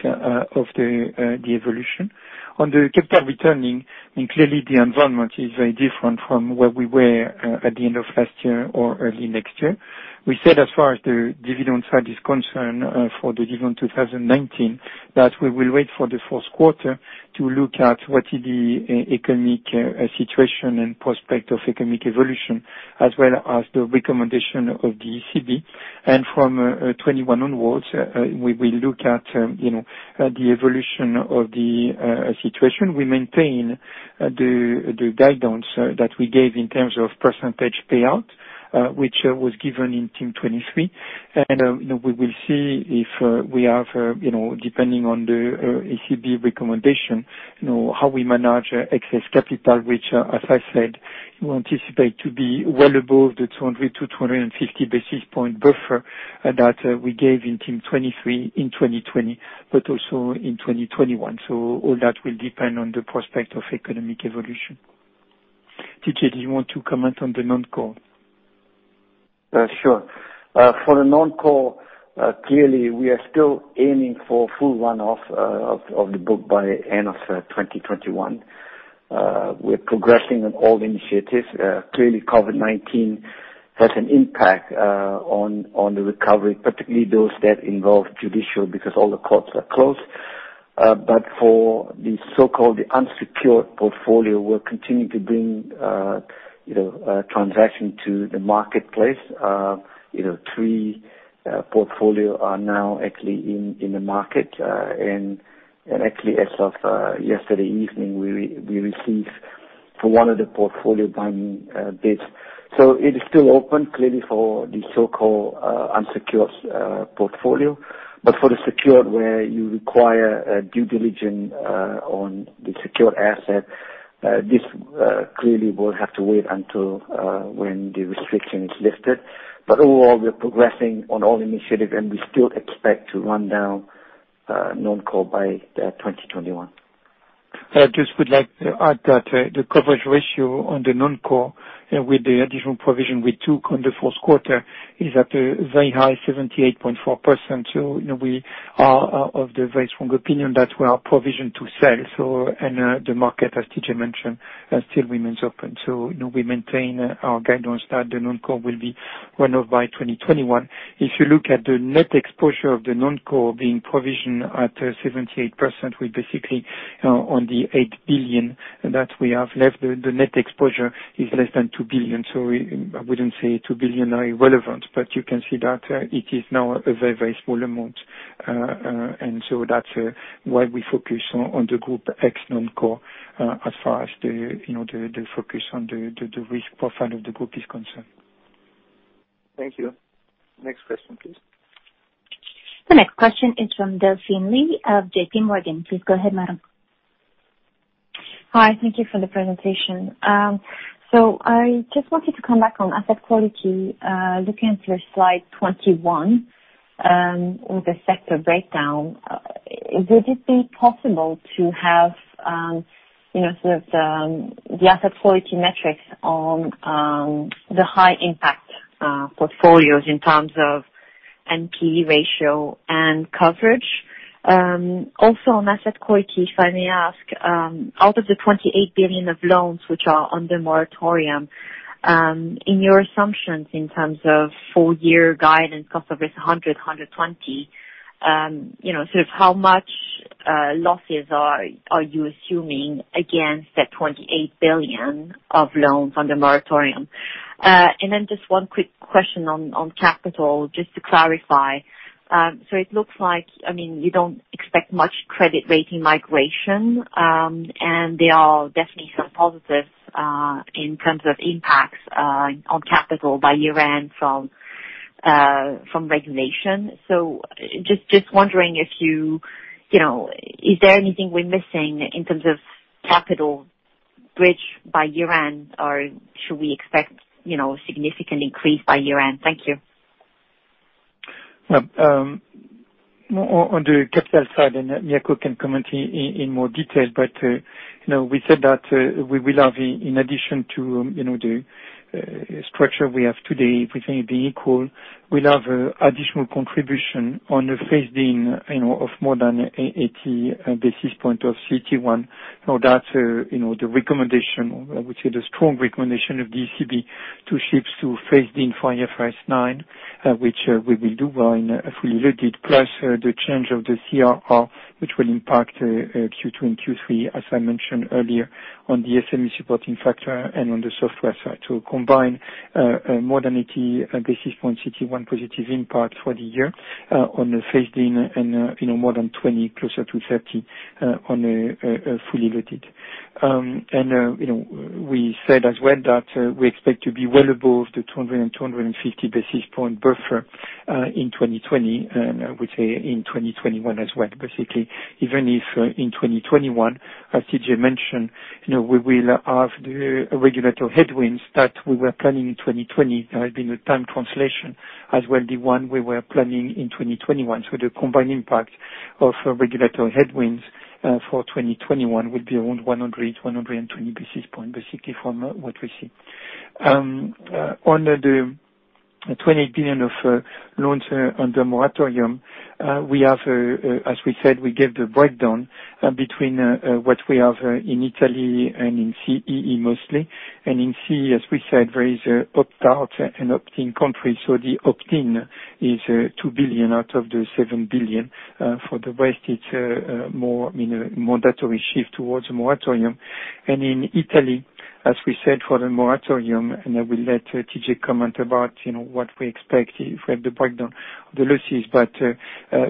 of the evolution. On the capital returning, clearly the environment is very different from where we were at the end of last year or early next year. We said as far as the dividend side is concerned for the dividend 2019, that we will wait for the fourth quarter to look at what is the economic situation and prospect of economic evolution, as well as the recommendation of the ECB. From 2021 onwards, we will look at the evolution of the situation. We maintain the guidance that we gave in terms of % payout, which was given in Team 23. We will see if we have, depending on the ECB recommendation, how we manage excess capital, which, as I said we anticipate to be well above the 200 basis point-250 basis point buffer that we gave in Team 23 in 2020, but also in 2021. All that will depend on the prospect of economic evolution. TJ, do you want to comment on the non-core? Sure. For the non-core, clearly, we are still aiming for full run-off of the book by end of 2021. We're progressing on all initiatives. Clearly, COVID-19 has an impact on the recovery, particularly those that involve judicial, because all the courts are closed. For the so-called unsecured portfolio, we're continuing to bring transaction to the marketplace. Three portfolio are now actually in the market. Actually, as of yesterday evening, we received for one of the portfolio binding bids. It is still open, clearly for the so-called unsecured portfolio. For the secured, where you require due diligence on the secured asset, this clearly will have to wait until when the restriction is lifted. Overall, we're progressing on all initiatives, and we still expect to run down non-core by 2021. I just would like to add that the coverage ratio on the non-core with the additional provision we took on the fourth quarter is at a very high 78.4%. We are of the very strong opinion that we are provision to sell. The market, as TJ mentioned, still remains open. We maintain our guidance that the non-core will be run off by 2021. If you look at the net exposure of the non-core being provisioned at 78%, we basically, on the 8 billion that we have left, the net exposure is less than 2 billion. I wouldn't say 2 billion are irrelevant, but you can see that it is now a very, very small amount. That's why we focus on the group X non-core, as far as the focus on the risk profile of the group is concerned. Thank you. Next question, please. The next question is from Delphine Lee of JPMorgan. Please go ahead, madam. Hi. Thank you for the presentation. I just wanted to come back on asset quality. Looking at your slide 21, with the sector breakdown, would it be possible to have the sort of the asset quality metrics on the high impact portfolios in terms of NPE ratio and coverage? On asset quality, if I may ask, out of the 28 billion of loans which are under moratorium, in your assumptions in terms of full year guidance, cost of risk 100, 120, sort of how much losses are you assuming against that 28 billion of loans under moratorium? Then just one quick question on capital, just to clarify. It looks like, you don't expect much credit rating migration, and there are definitely some positives in terms of impacts on capital by year-end from regulation. Just wondering, is there anything we're missing in terms of capital bridge by year-end, or should we expect significant increase by year-end? Thank you. On the capital side, Mirko can comment in more detail, we said that we will have, in addition to the structure we have today, everything being equal, we'll have additional contribution on a phase-in of more than 80 basis points of CET1. That's the recommendation, I would say the strong recommendation of the ECB to IFRS 9 to phase-in for IFRS 9, which we will do well in a fully loaded. The change of the CRR, which will impact Q2 and Q3, as I mentioned earlier, on the SME supporting factor and on the software side, to combine more than 80 basis points CET1 positive impact for the year on the phase-in and more than 20 closer to 30 on a fully loaded. We said as well that we expect to be well above the 200 and 250 basis points buffer in 2020, and I would say in 2021 as well. Basically, even if in 2021, as TJ mentioned, we will have the regulatory headwinds that we were planning in 2020. There has been a time translation as well, the one we were planning in 2021. The combined impact of regulatory headwinds for 2021 will be around 100, 120 basis points, basically from what we see. On the 20 billion of loans under moratorium, as we said, we gave the breakdown between what we have in Italy and in CEE mostly. In CEE, as we said, there is opt out and opt-in country, so the opt-in is 2 billion out of the 7 billion. For the rest, it's more mandatory shift towards a moratorium. In Italy, as we said, for the moratorium, I will let TJ comment about what we expect if we have the breakdown of the losses.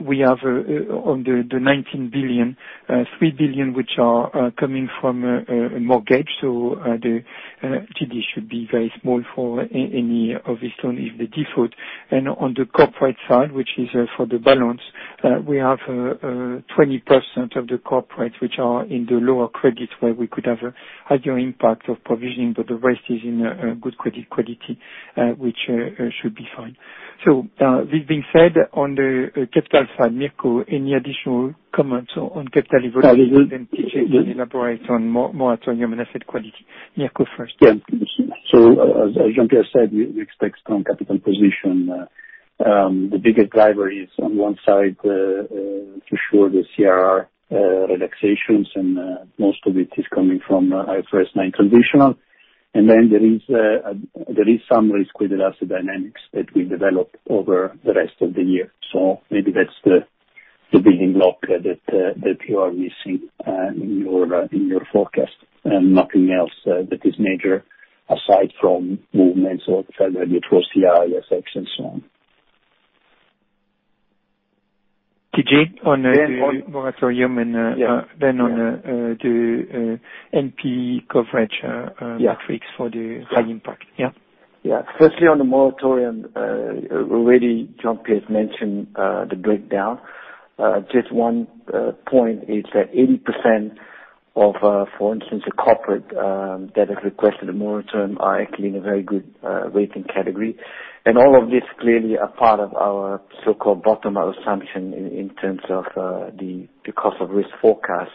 We have on the 19 billion, 3 billion which are coming from a mortgage, so the LGD should be very small for any, obviously, if they default. On the corporate side, which is for the balance. We have 20% of the corporates which are in the lower credits where we could have a higher impact of provisioning, but the rest is in good credit quality, which should be fine. This being said, on the capital side, Mirko, any additional comments on capital evolution? Yeah. TJ can elaborate more on your asset quality. Mirko first. As Jean-Pierre said, we expect strong capital position. The biggest driver is on one side to show the CRR relaxations, and most of it is coming from IFRS9 transitional. There is some risk-weighted asset dynamics that we developed over the rest of the year. Maybe that's the building block that you are missing in your forecast, and nothing else that is major aside from movements of federal debt for CR effects and so on. TJ, on the moratorium - Yeah. - then on the NP coverage - Yeah. - metrics for the high impact. Yeah. Yeah. Firstly, on the moratorium, already Jean Pierre mentioned the breakdown. Just one point is that 80% of, for instance, a corporate that has requested a moratorium are actually in a very good rating category. All of this clearly a part of our so-called bottom-up assumption in terms of the cost of risk forecast.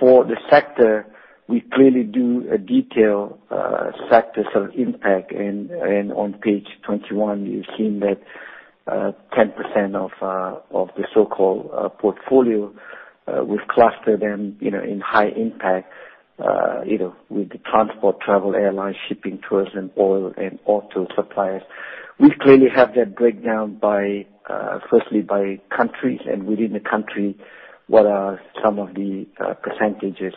For the sector, we clearly do a detailed sector impact, and on page 20, you've seen that 10% of the so-called portfolio, we've clustered them in high impact, with the transport, travel, airlines, shipping, tourism, oil, and auto suppliers. We clearly have that breakdown firstly by countries and within the country, what are some of the percentages.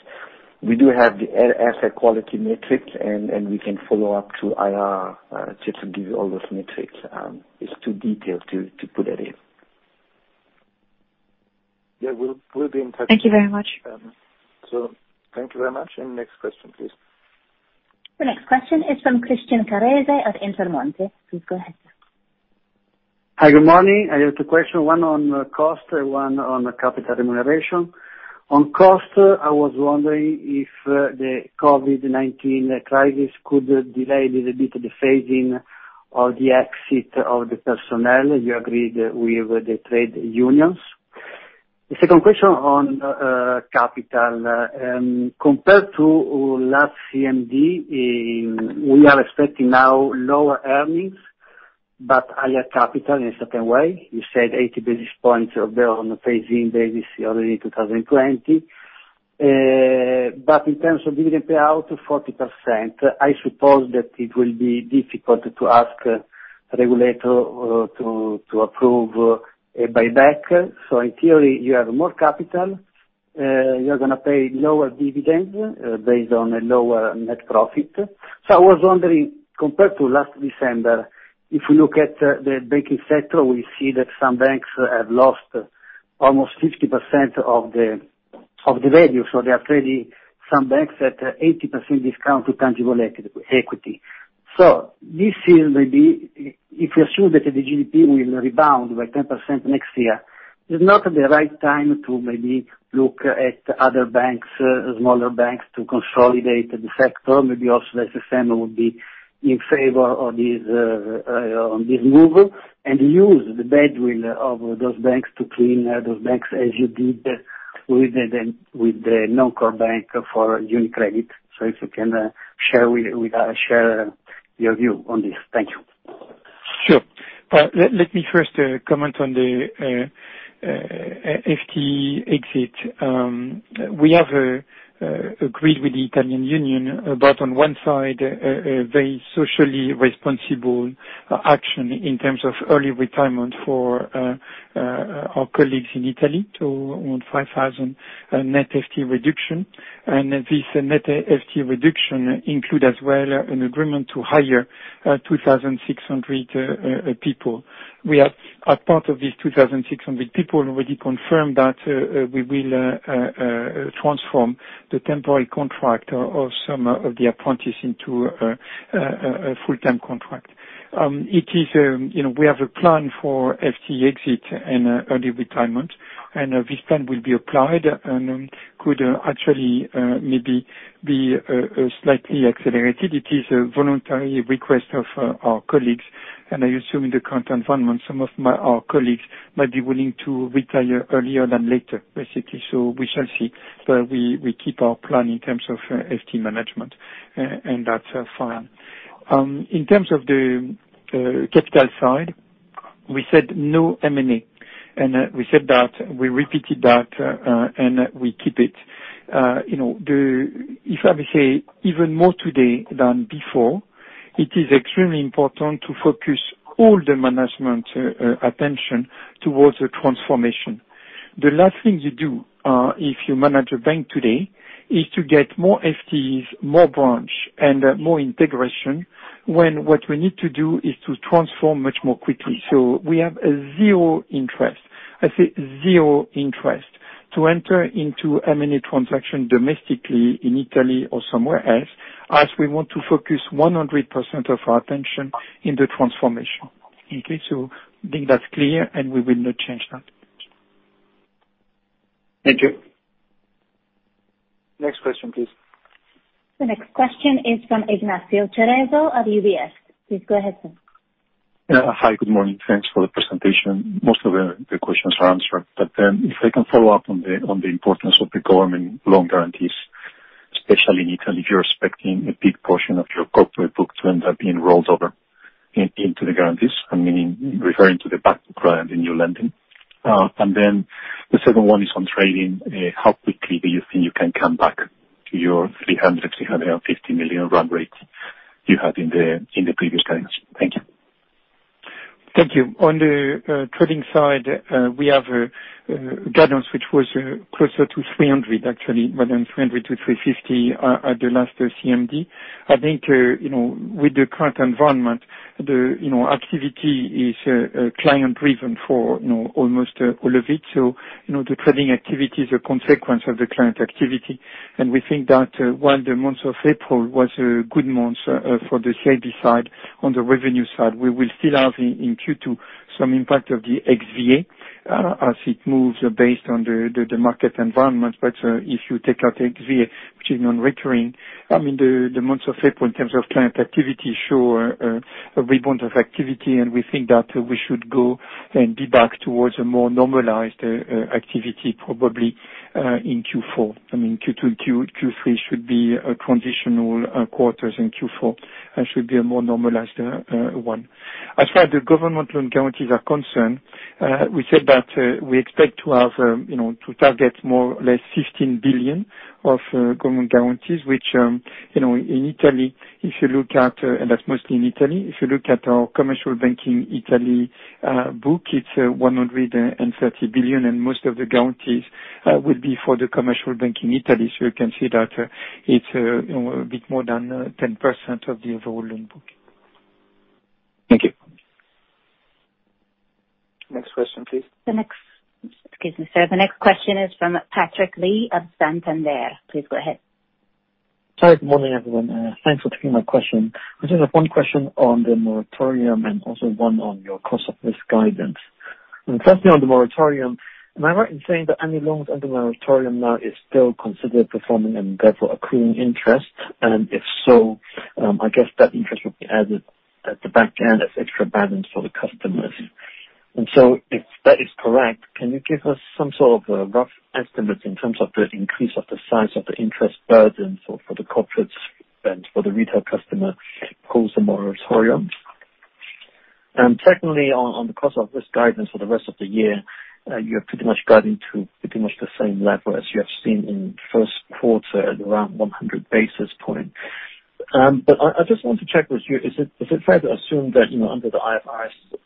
We do have the asset quality metrics, and we can follow up through IR just to give you all those metrics. It's too detailed to put it in. Yeah. We'll be in touch. Thank you very much. Thank you very much, and next question, please. The next question is from Christian Carrese of Intermonte. Please go ahead, sir. Hi, good morning. I have two question, one on cost, one on capital remuneration. On cost, I was wondering if the COVID-19 crisis could delay little bit the phasing of the exit of the personnel you agreed with the trade unions. The second question on capital. Compared to last CMD, we are expecting now lower earnings but higher capital in a certain way. You said 80 basis points on a phasing basis already 2020. In terms of dividend payout, 40%, I suppose that it will be difficult to ask regulator to approve a buyback. In theory, you have more capital, you're going to pay lower dividends based on a lower net profit. I was wondering, compared to last December, if we look at the banking sector, we see that some banks have lost almost 50% of the value. There are already some banks at 80% discount to tangible equity. This year, maybe, if you assume that the GDP will rebound by 10% next year, it's not the right time to maybe look at other banks, smaller banks to consolidate the sector. Maybe also the system would be in favor on this move, and use the badwill of those banks to clean those banks as you did with the non-core bank for UniCredit. If you can share your view on this. Thank you. Sure. Let me first comment on the FTE exit. We have agreed with the Italian union, on one side, a very socially responsible action in terms of early retirement for our colleagues in Italy to around 5,000 net FTE reduction. This net FTE reduction include as well an agreement to hire 2,600 people. We have, as part of these 2,600 people, already confirmed that we will transform the temporary contract of some of the apprentice into a full-time contract. We have a plan for FTE exit and early retirement, this plan will be applied and could actually maybe be slightly accelerated. It is a voluntary request of our colleagues, I assume in the current environment, some of our colleagues might be willing to retire earlier than later, basically. We shall see, but we keep our plan in terms of FTE management, and that's fine. In terms of the capital side, we said no M&A, and we said that, we repeated that, and we keep it. If I may say, even more today than before, it is extremely important to focus all the management attention towards the transformation. The last thing you do if you manage a bank today is to get more FTEs, more branch, and more integration when what we need to do is to transform much more quickly. We have a zero interest to enter into M&A transaction domestically in Italy or somewhere else, as we want to focus 100% of our attention in the transformation. Okay. Think that's clear, and we will not change that. Thank you. Next question, please. The next question is from Ignacio Cerezo of UBS. Please go ahead, sir. Hi, good morning. Thanks for the presentation. If I can follow up on the importance of the government loan guarantees, especially in Italy, if you're expecting a big portion of your corporate book to end up being rolled over into the guarantees, I'm meaning referring to the back book rather than new lending. The second one is on trading. How quickly do you think you can come back to your 300 million, 350 million run rates you had in the previous guidance? Thank you. Thank you. On the trading side, we have a guidance which was closer to 300 actually, more than 300-350 at the last CMD. I think, with the current environment, the activity is client-driven for almost all of it. The trading activity is a consequence of the client activity, and we think that while the month of April was a good month for the CD side, on the revenue side, we will still have, in Q2, some impact of the XVA as it moves based on the market environment. If you take out XVA, which is non-recurring, the month of April in terms of client activity show a rebound of activity, and we think that we should go and be back towards a more normalized activity probably in Q4. Q2 and Q3 should be transitional quarters, and Q4 should be a more normalized one. As far the government loan guarantees are concerned, we said that we expect to target more or less 15 billion of government guarantees. That's mostly in Italy. If you look at our commercial banking Italy book, it's 130 billion, and most of the guarantees will be for the commercial bank in Italy. You can see that it's a bit more than 10% of the overall loan book. Thank you. Next question, please. Excuse me, sir. The next question is from Patrick Lee of Santander. Please go ahead. Hi. Good morning, everyone. Thanks for taking my question. I just have one question on the moratorium, also one on your cost of risk guidance. Firstly, on the moratorium, am I right in saying that any loans under moratorium now is still considered performing and therefore accruing interest? If so, I guess that interest will be added at the back end as extra balance for the customers. If that is correct, can you give us some sort of a rough estimate in terms of the increase of the size of the interest burden for the corporate and for the retail customer calls the moratorium? Secondly, on the cost of risk guidance for the rest of the year, you have pretty much gotten to the same level as you have seen in first quarter at around 100 basis points. I just want to check with you, is it fair to assume that under the IFRS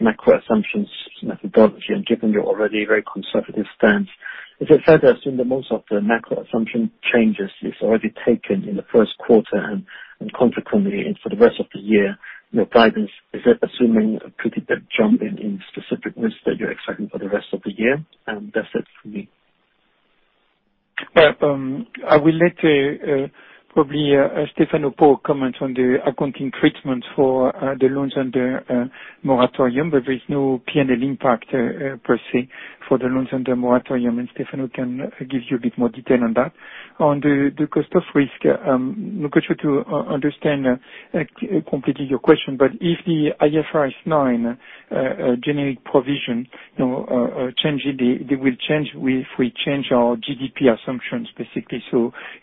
macro assumptions methodology, and given your already very conservative stance, is it fair to assume that most of the macro assumption changes is already taken in the first quarter and consequently for the rest of the year, your guidance, is that assuming a pretty big jump in specific risks that you're expecting for the rest of the year? That's it for me. I will let probably Stefano Porro comment on the accounting treatment for the loans under moratorium, but there is no P&L impact per se for the loans under moratorium, and Stefano can give you a bit more detail on that. On the cost of risk, I'm not going to understand completely your question, but if the IFRS 9 generic provision, they will change if we change our GDP assumptions basically.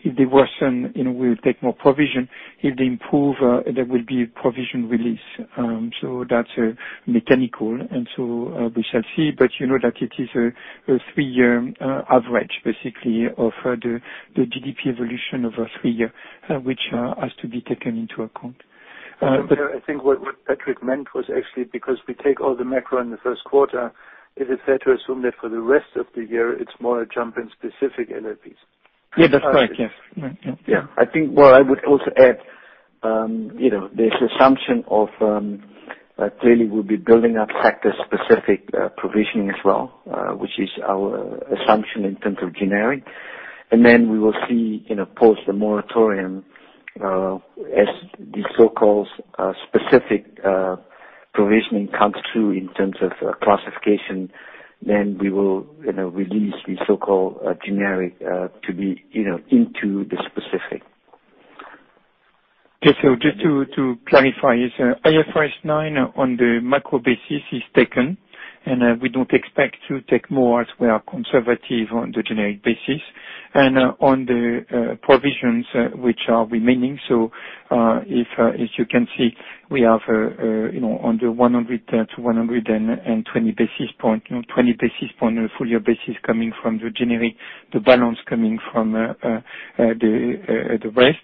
If they worsen, we'll take more provision. If they improve, there will be a provision release. That's mechanical. We shall see. You know that it is a three-year average, basically, of the GDP evolution over three year, which has to be taken into account. I think what Patrick meant was actually because we take all the macro in the first quarter, is it fair to assume that for the rest of the year it's more a jump in specific LLPs? Yeah, that's right. Yes. Yeah. I think what I would also add, this assumption of clearly we'll be building up sector-specific provisioning as well, which is our assumption in terms of generic. Then we will see, post the moratorium, as the so-called specific provisioning comes through in terms of classification, then we will release the so-called generic to be into the specific. Okay. Just to clarify, IFRS 9 on the macro basis is taken, and we don't expect to take more as we are conservative on the generic basis. On the provisions which are remaining, if you can see, we have under 100-120 basis point, 20 basis point on a full year basis coming from the generic, the balance coming from the rest.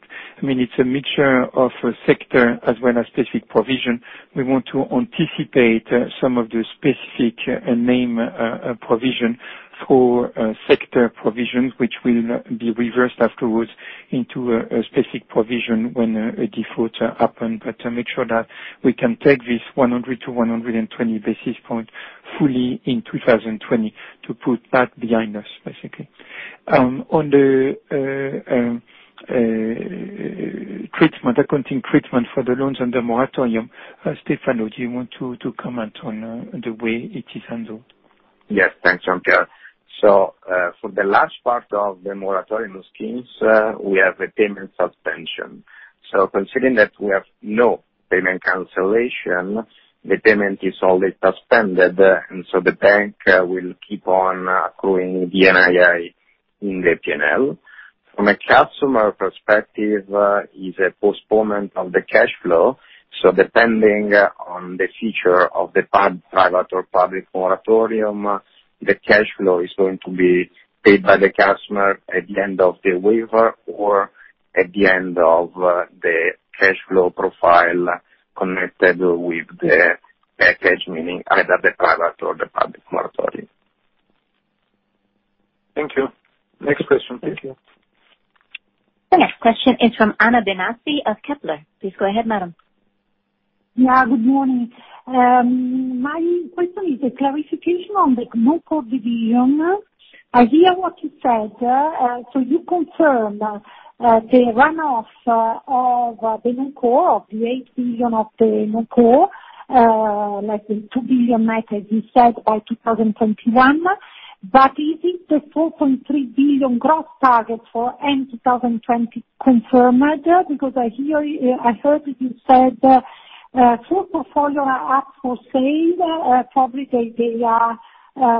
It's a mixture of sector as well as specific provision. We want to anticipate some of the specific name provision for sector provisions, which will be reversed afterwards into a specific provision when a defaults happen, but to make sure that we can take this 100-120 basis point fully in 2020 to put that behind us, basically. On the accounting treatment for the loans and the moratorium, Stefano, do you want to comment on the way it is handled? Yes. Thanks, Jean Pierre. For the last part of the moratorium schemes, we have a payment suspension. Considering that we have no payment cancellation, the payment is always suspended, the bank will keep on accruing the NII in the P&L. From a customer perspective, it's a postponement of the cash flow, depending on the future of the private or public moratorium, the cash flow is going to be paid by the customer at the end of the waiver or at the end of the cash flow profile connected with the package, meaning either the private or the public moratorium. Thank you. Next question, please. The next question is from Anna Benassi of Kepler. Please go ahead, madam. Good morning. My question is a clarification on the non-core division. I hear what you said. You confirm the run-off of the non-core, of the 8 billion of the non-core, let's say 2 billion net, as you said, by 2021. Is it the 4.3 billion gross target for end 2020 confirmed? I heard that you said full portfolio up for sale, probably they are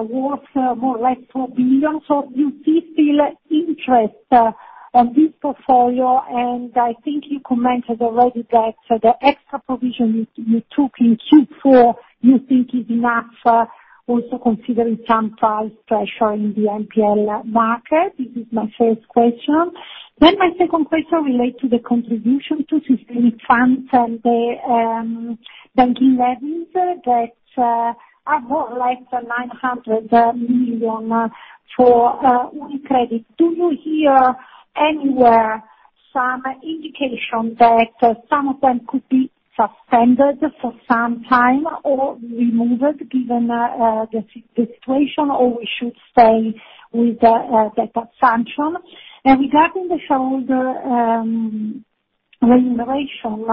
worth more like 4 billion. Do you still see interest on this portfolio, and I think you commented already that the extra provision you took in Q4 you think is enough, also considering some price pressure in the NPL market. This is my first question. My second question relate to the contribution to systemic funds and the banking levies that are more like the 900 million for UniCredit. Do you hear anywhere some indication that some of them could be suspended for some time or removed given the situation, or we should stay with the assumption? Regarding the shareholder remuneration,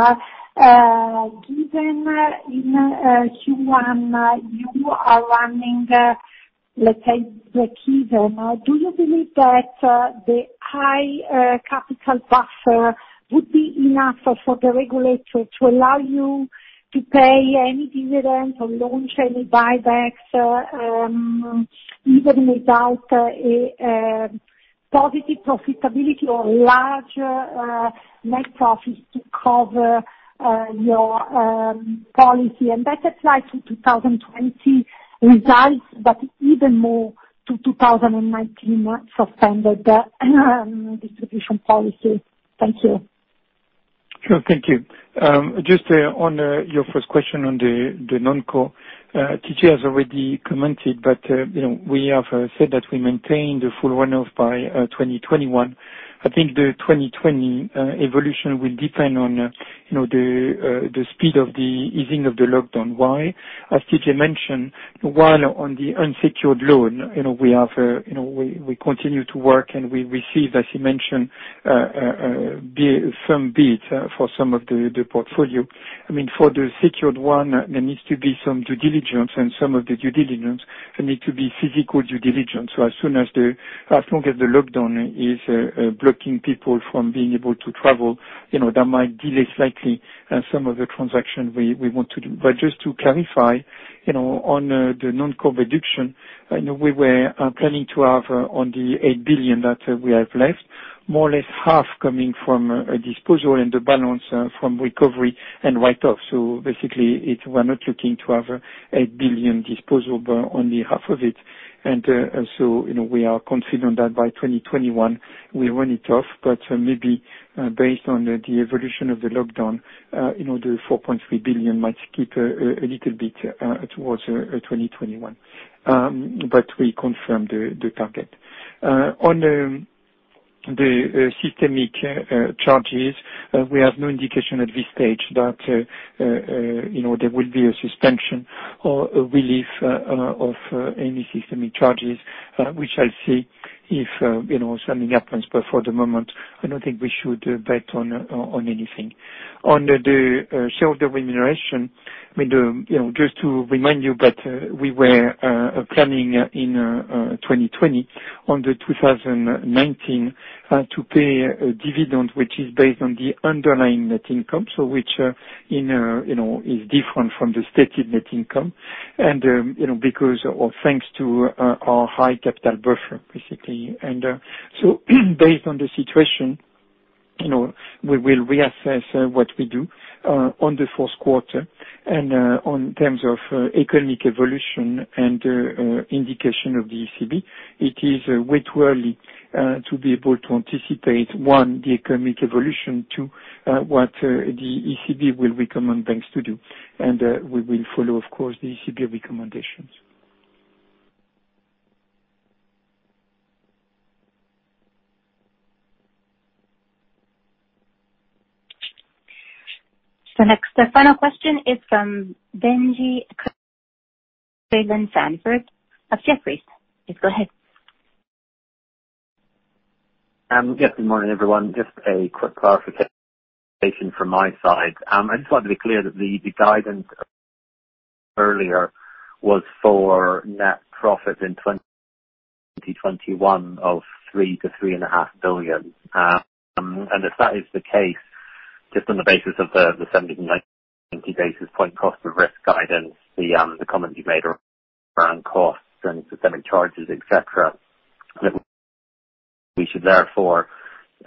given in Q1 you are running, let's say, break even, do you believe that the high capital buffer would be enough for the regulator to allow you to pay any dividends or launch any buybacks, even without a positive profitability or large net profits to cover your policy, and that applies to 2020 results, but even more to 2019 suspended distribution policy. Thank you. Sure. Thank you. Just on your first question on the non-core, TJ has already commented, but we have said that we maintain the full run-off by 2021. I think the 2020 evolution will depend on the speed of the easing of the lockdown. Why? As TJ mentioned, while on the unsecured loan, we continue to work, and we received, as he mentioned, some bids for some of the portfolio. For the secured one, there needs to be some due diligence, and some of the due diligence need to be physical due diligence. As long as the lockdown is blocking people from being able to travel, that might delay slightly some of the transaction we want to do. Just to clarify, on the non-core reduction, we were planning to have on the 8 billion that we have left, more or less half coming from a disposal and the balance from recovery and write-off. Basically, we're not looking to have 8 billion disposal, but only half of it. We are confident that by 2021 we run it off, but maybe based on the evolution of the lockdown, the 4.3 billion might keep a little bit towards 2021. We confirm the target. On the systemic charges, we have no indication at this Stage that there will be a suspension or a relief of any systemic charges. We shall see if something happens, but for the moment, I don't think we should bet on anything. On the shareholder remuneration, just to remind you that we were planning in 2020, on the 2019, to pay a dividend which is based on the underlying net income. Which is different from the stated net income, and because, or thanks to our high capital buffer, basically. Based on the situation, we will reassess what we do on the fourth quarter. On terms of economic evolution and indication of the ECB, it is way too early to be able to anticipate, one, the economic evolution, two, what the ECB will recommend banks to do. We will follow, of course, the ECB recommendations. The final question is from Benjie Creelan-Sandford of Jefferies. Please go ahead. Yes, good morning, everyone. Just a quick clarification from my side. I just wanted to be clear that the guidance earlier was for net profit in 2021 of 3 billion-3.5 billion. If that is the case, just on the basis of the 70-90 basis point cost of risk guidance, the comment you made around costs and systemic charges, et cetera, we should therefore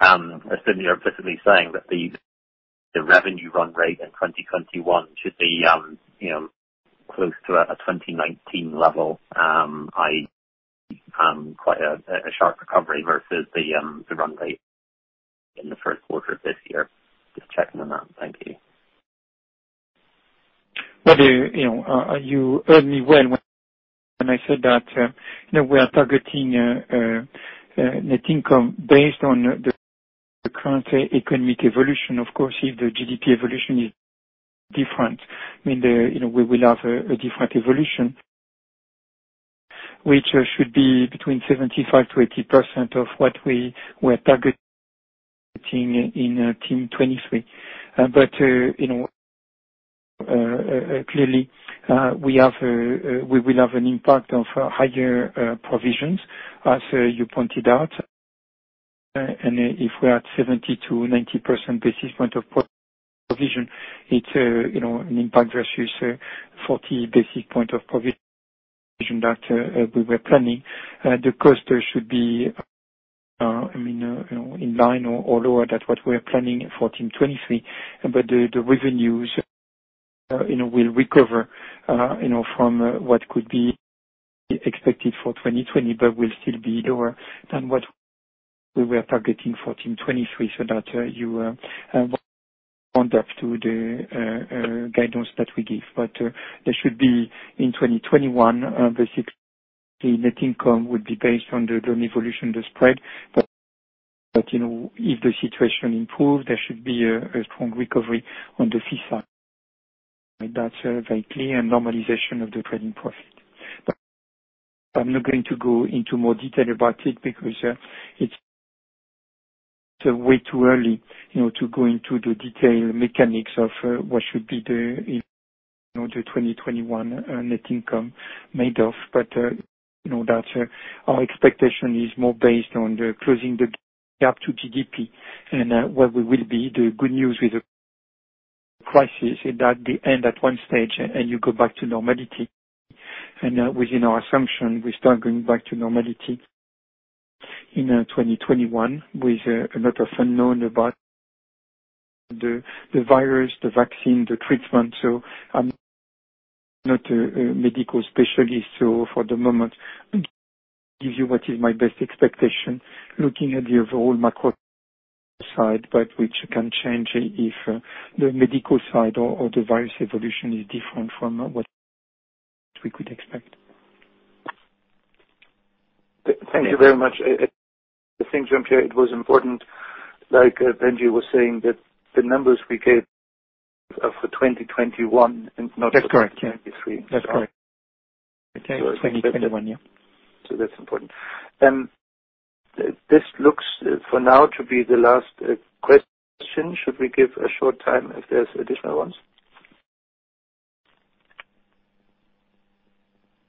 assume you're basically saying that the revenue run rate in 2021 should be close to a 2019 level, quite a sharp recovery versus the run rate in the first quarter of this year. Just checking on that. Thank you. You heard me well when I said that we are targeting net income based on the current economic evolution. If the GDP evolution is different, we will have a different evolution, which should be between 75%-80% of what we were targeting in Team 23. Clearly, we will have an impact of higher provisions, as you pointed out. If we're at 70%-90% basis point of provision, it's an impact versus 40 basis point of provision that we were planning. The cost there should be in line or lower than what we are planning for Team 23. The revenues will recover from what could be expected for 2020, but will still be lower than what we were targeting for Team 23, that you round up to the guidance that we give. There should be, in 2021, basically, net income would be based on the evolution of the spread. If the situation improves, there should be a strong recovery on the fee side. That's very clear. Normalization of the trading profit. I'm not going to go into more detail about it because it's way too early to go into the detailed mechanics of what should be the 2021 net income made of. Our expectation is more based on closing the gap to GDP and where we will be. The good news with a crisis is that they end at one Stage, and you go back to normality. Within our assumption, we start going back to normality in 2021 with a lot of unknown about the virus, the vaccine, the treatment. I'm not a medical specialist, so for the moment, give you what is my best expectation, looking at the overall macro side, but which can change if the medical side or the virus evolution is different from what we could expect. Thank you very much. I think, Jean Pierre, it was important, like Benjie was saying, that the numbers we gave are for 2021. That's correct. Yeah. 2023. That's correct. Okay. 2021, yeah. That's important. This looks, for now, to be the last question. Should we give a short time if there's additional ones?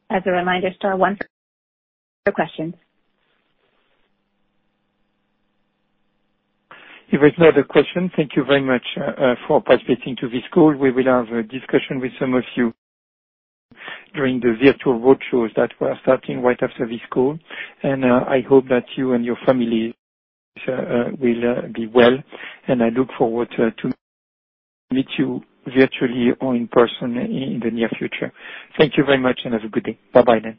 As a reminder, star one for questions. If there's no other question, thank you very much for participating to this call. We will have a discussion with some of you during the virtual roadshows that we're starting right after this call. I hope that you and your families will be well, and I look forward to meet you virtually or in person in the near future. Thank you very much, and have a good day. Bye-bye then.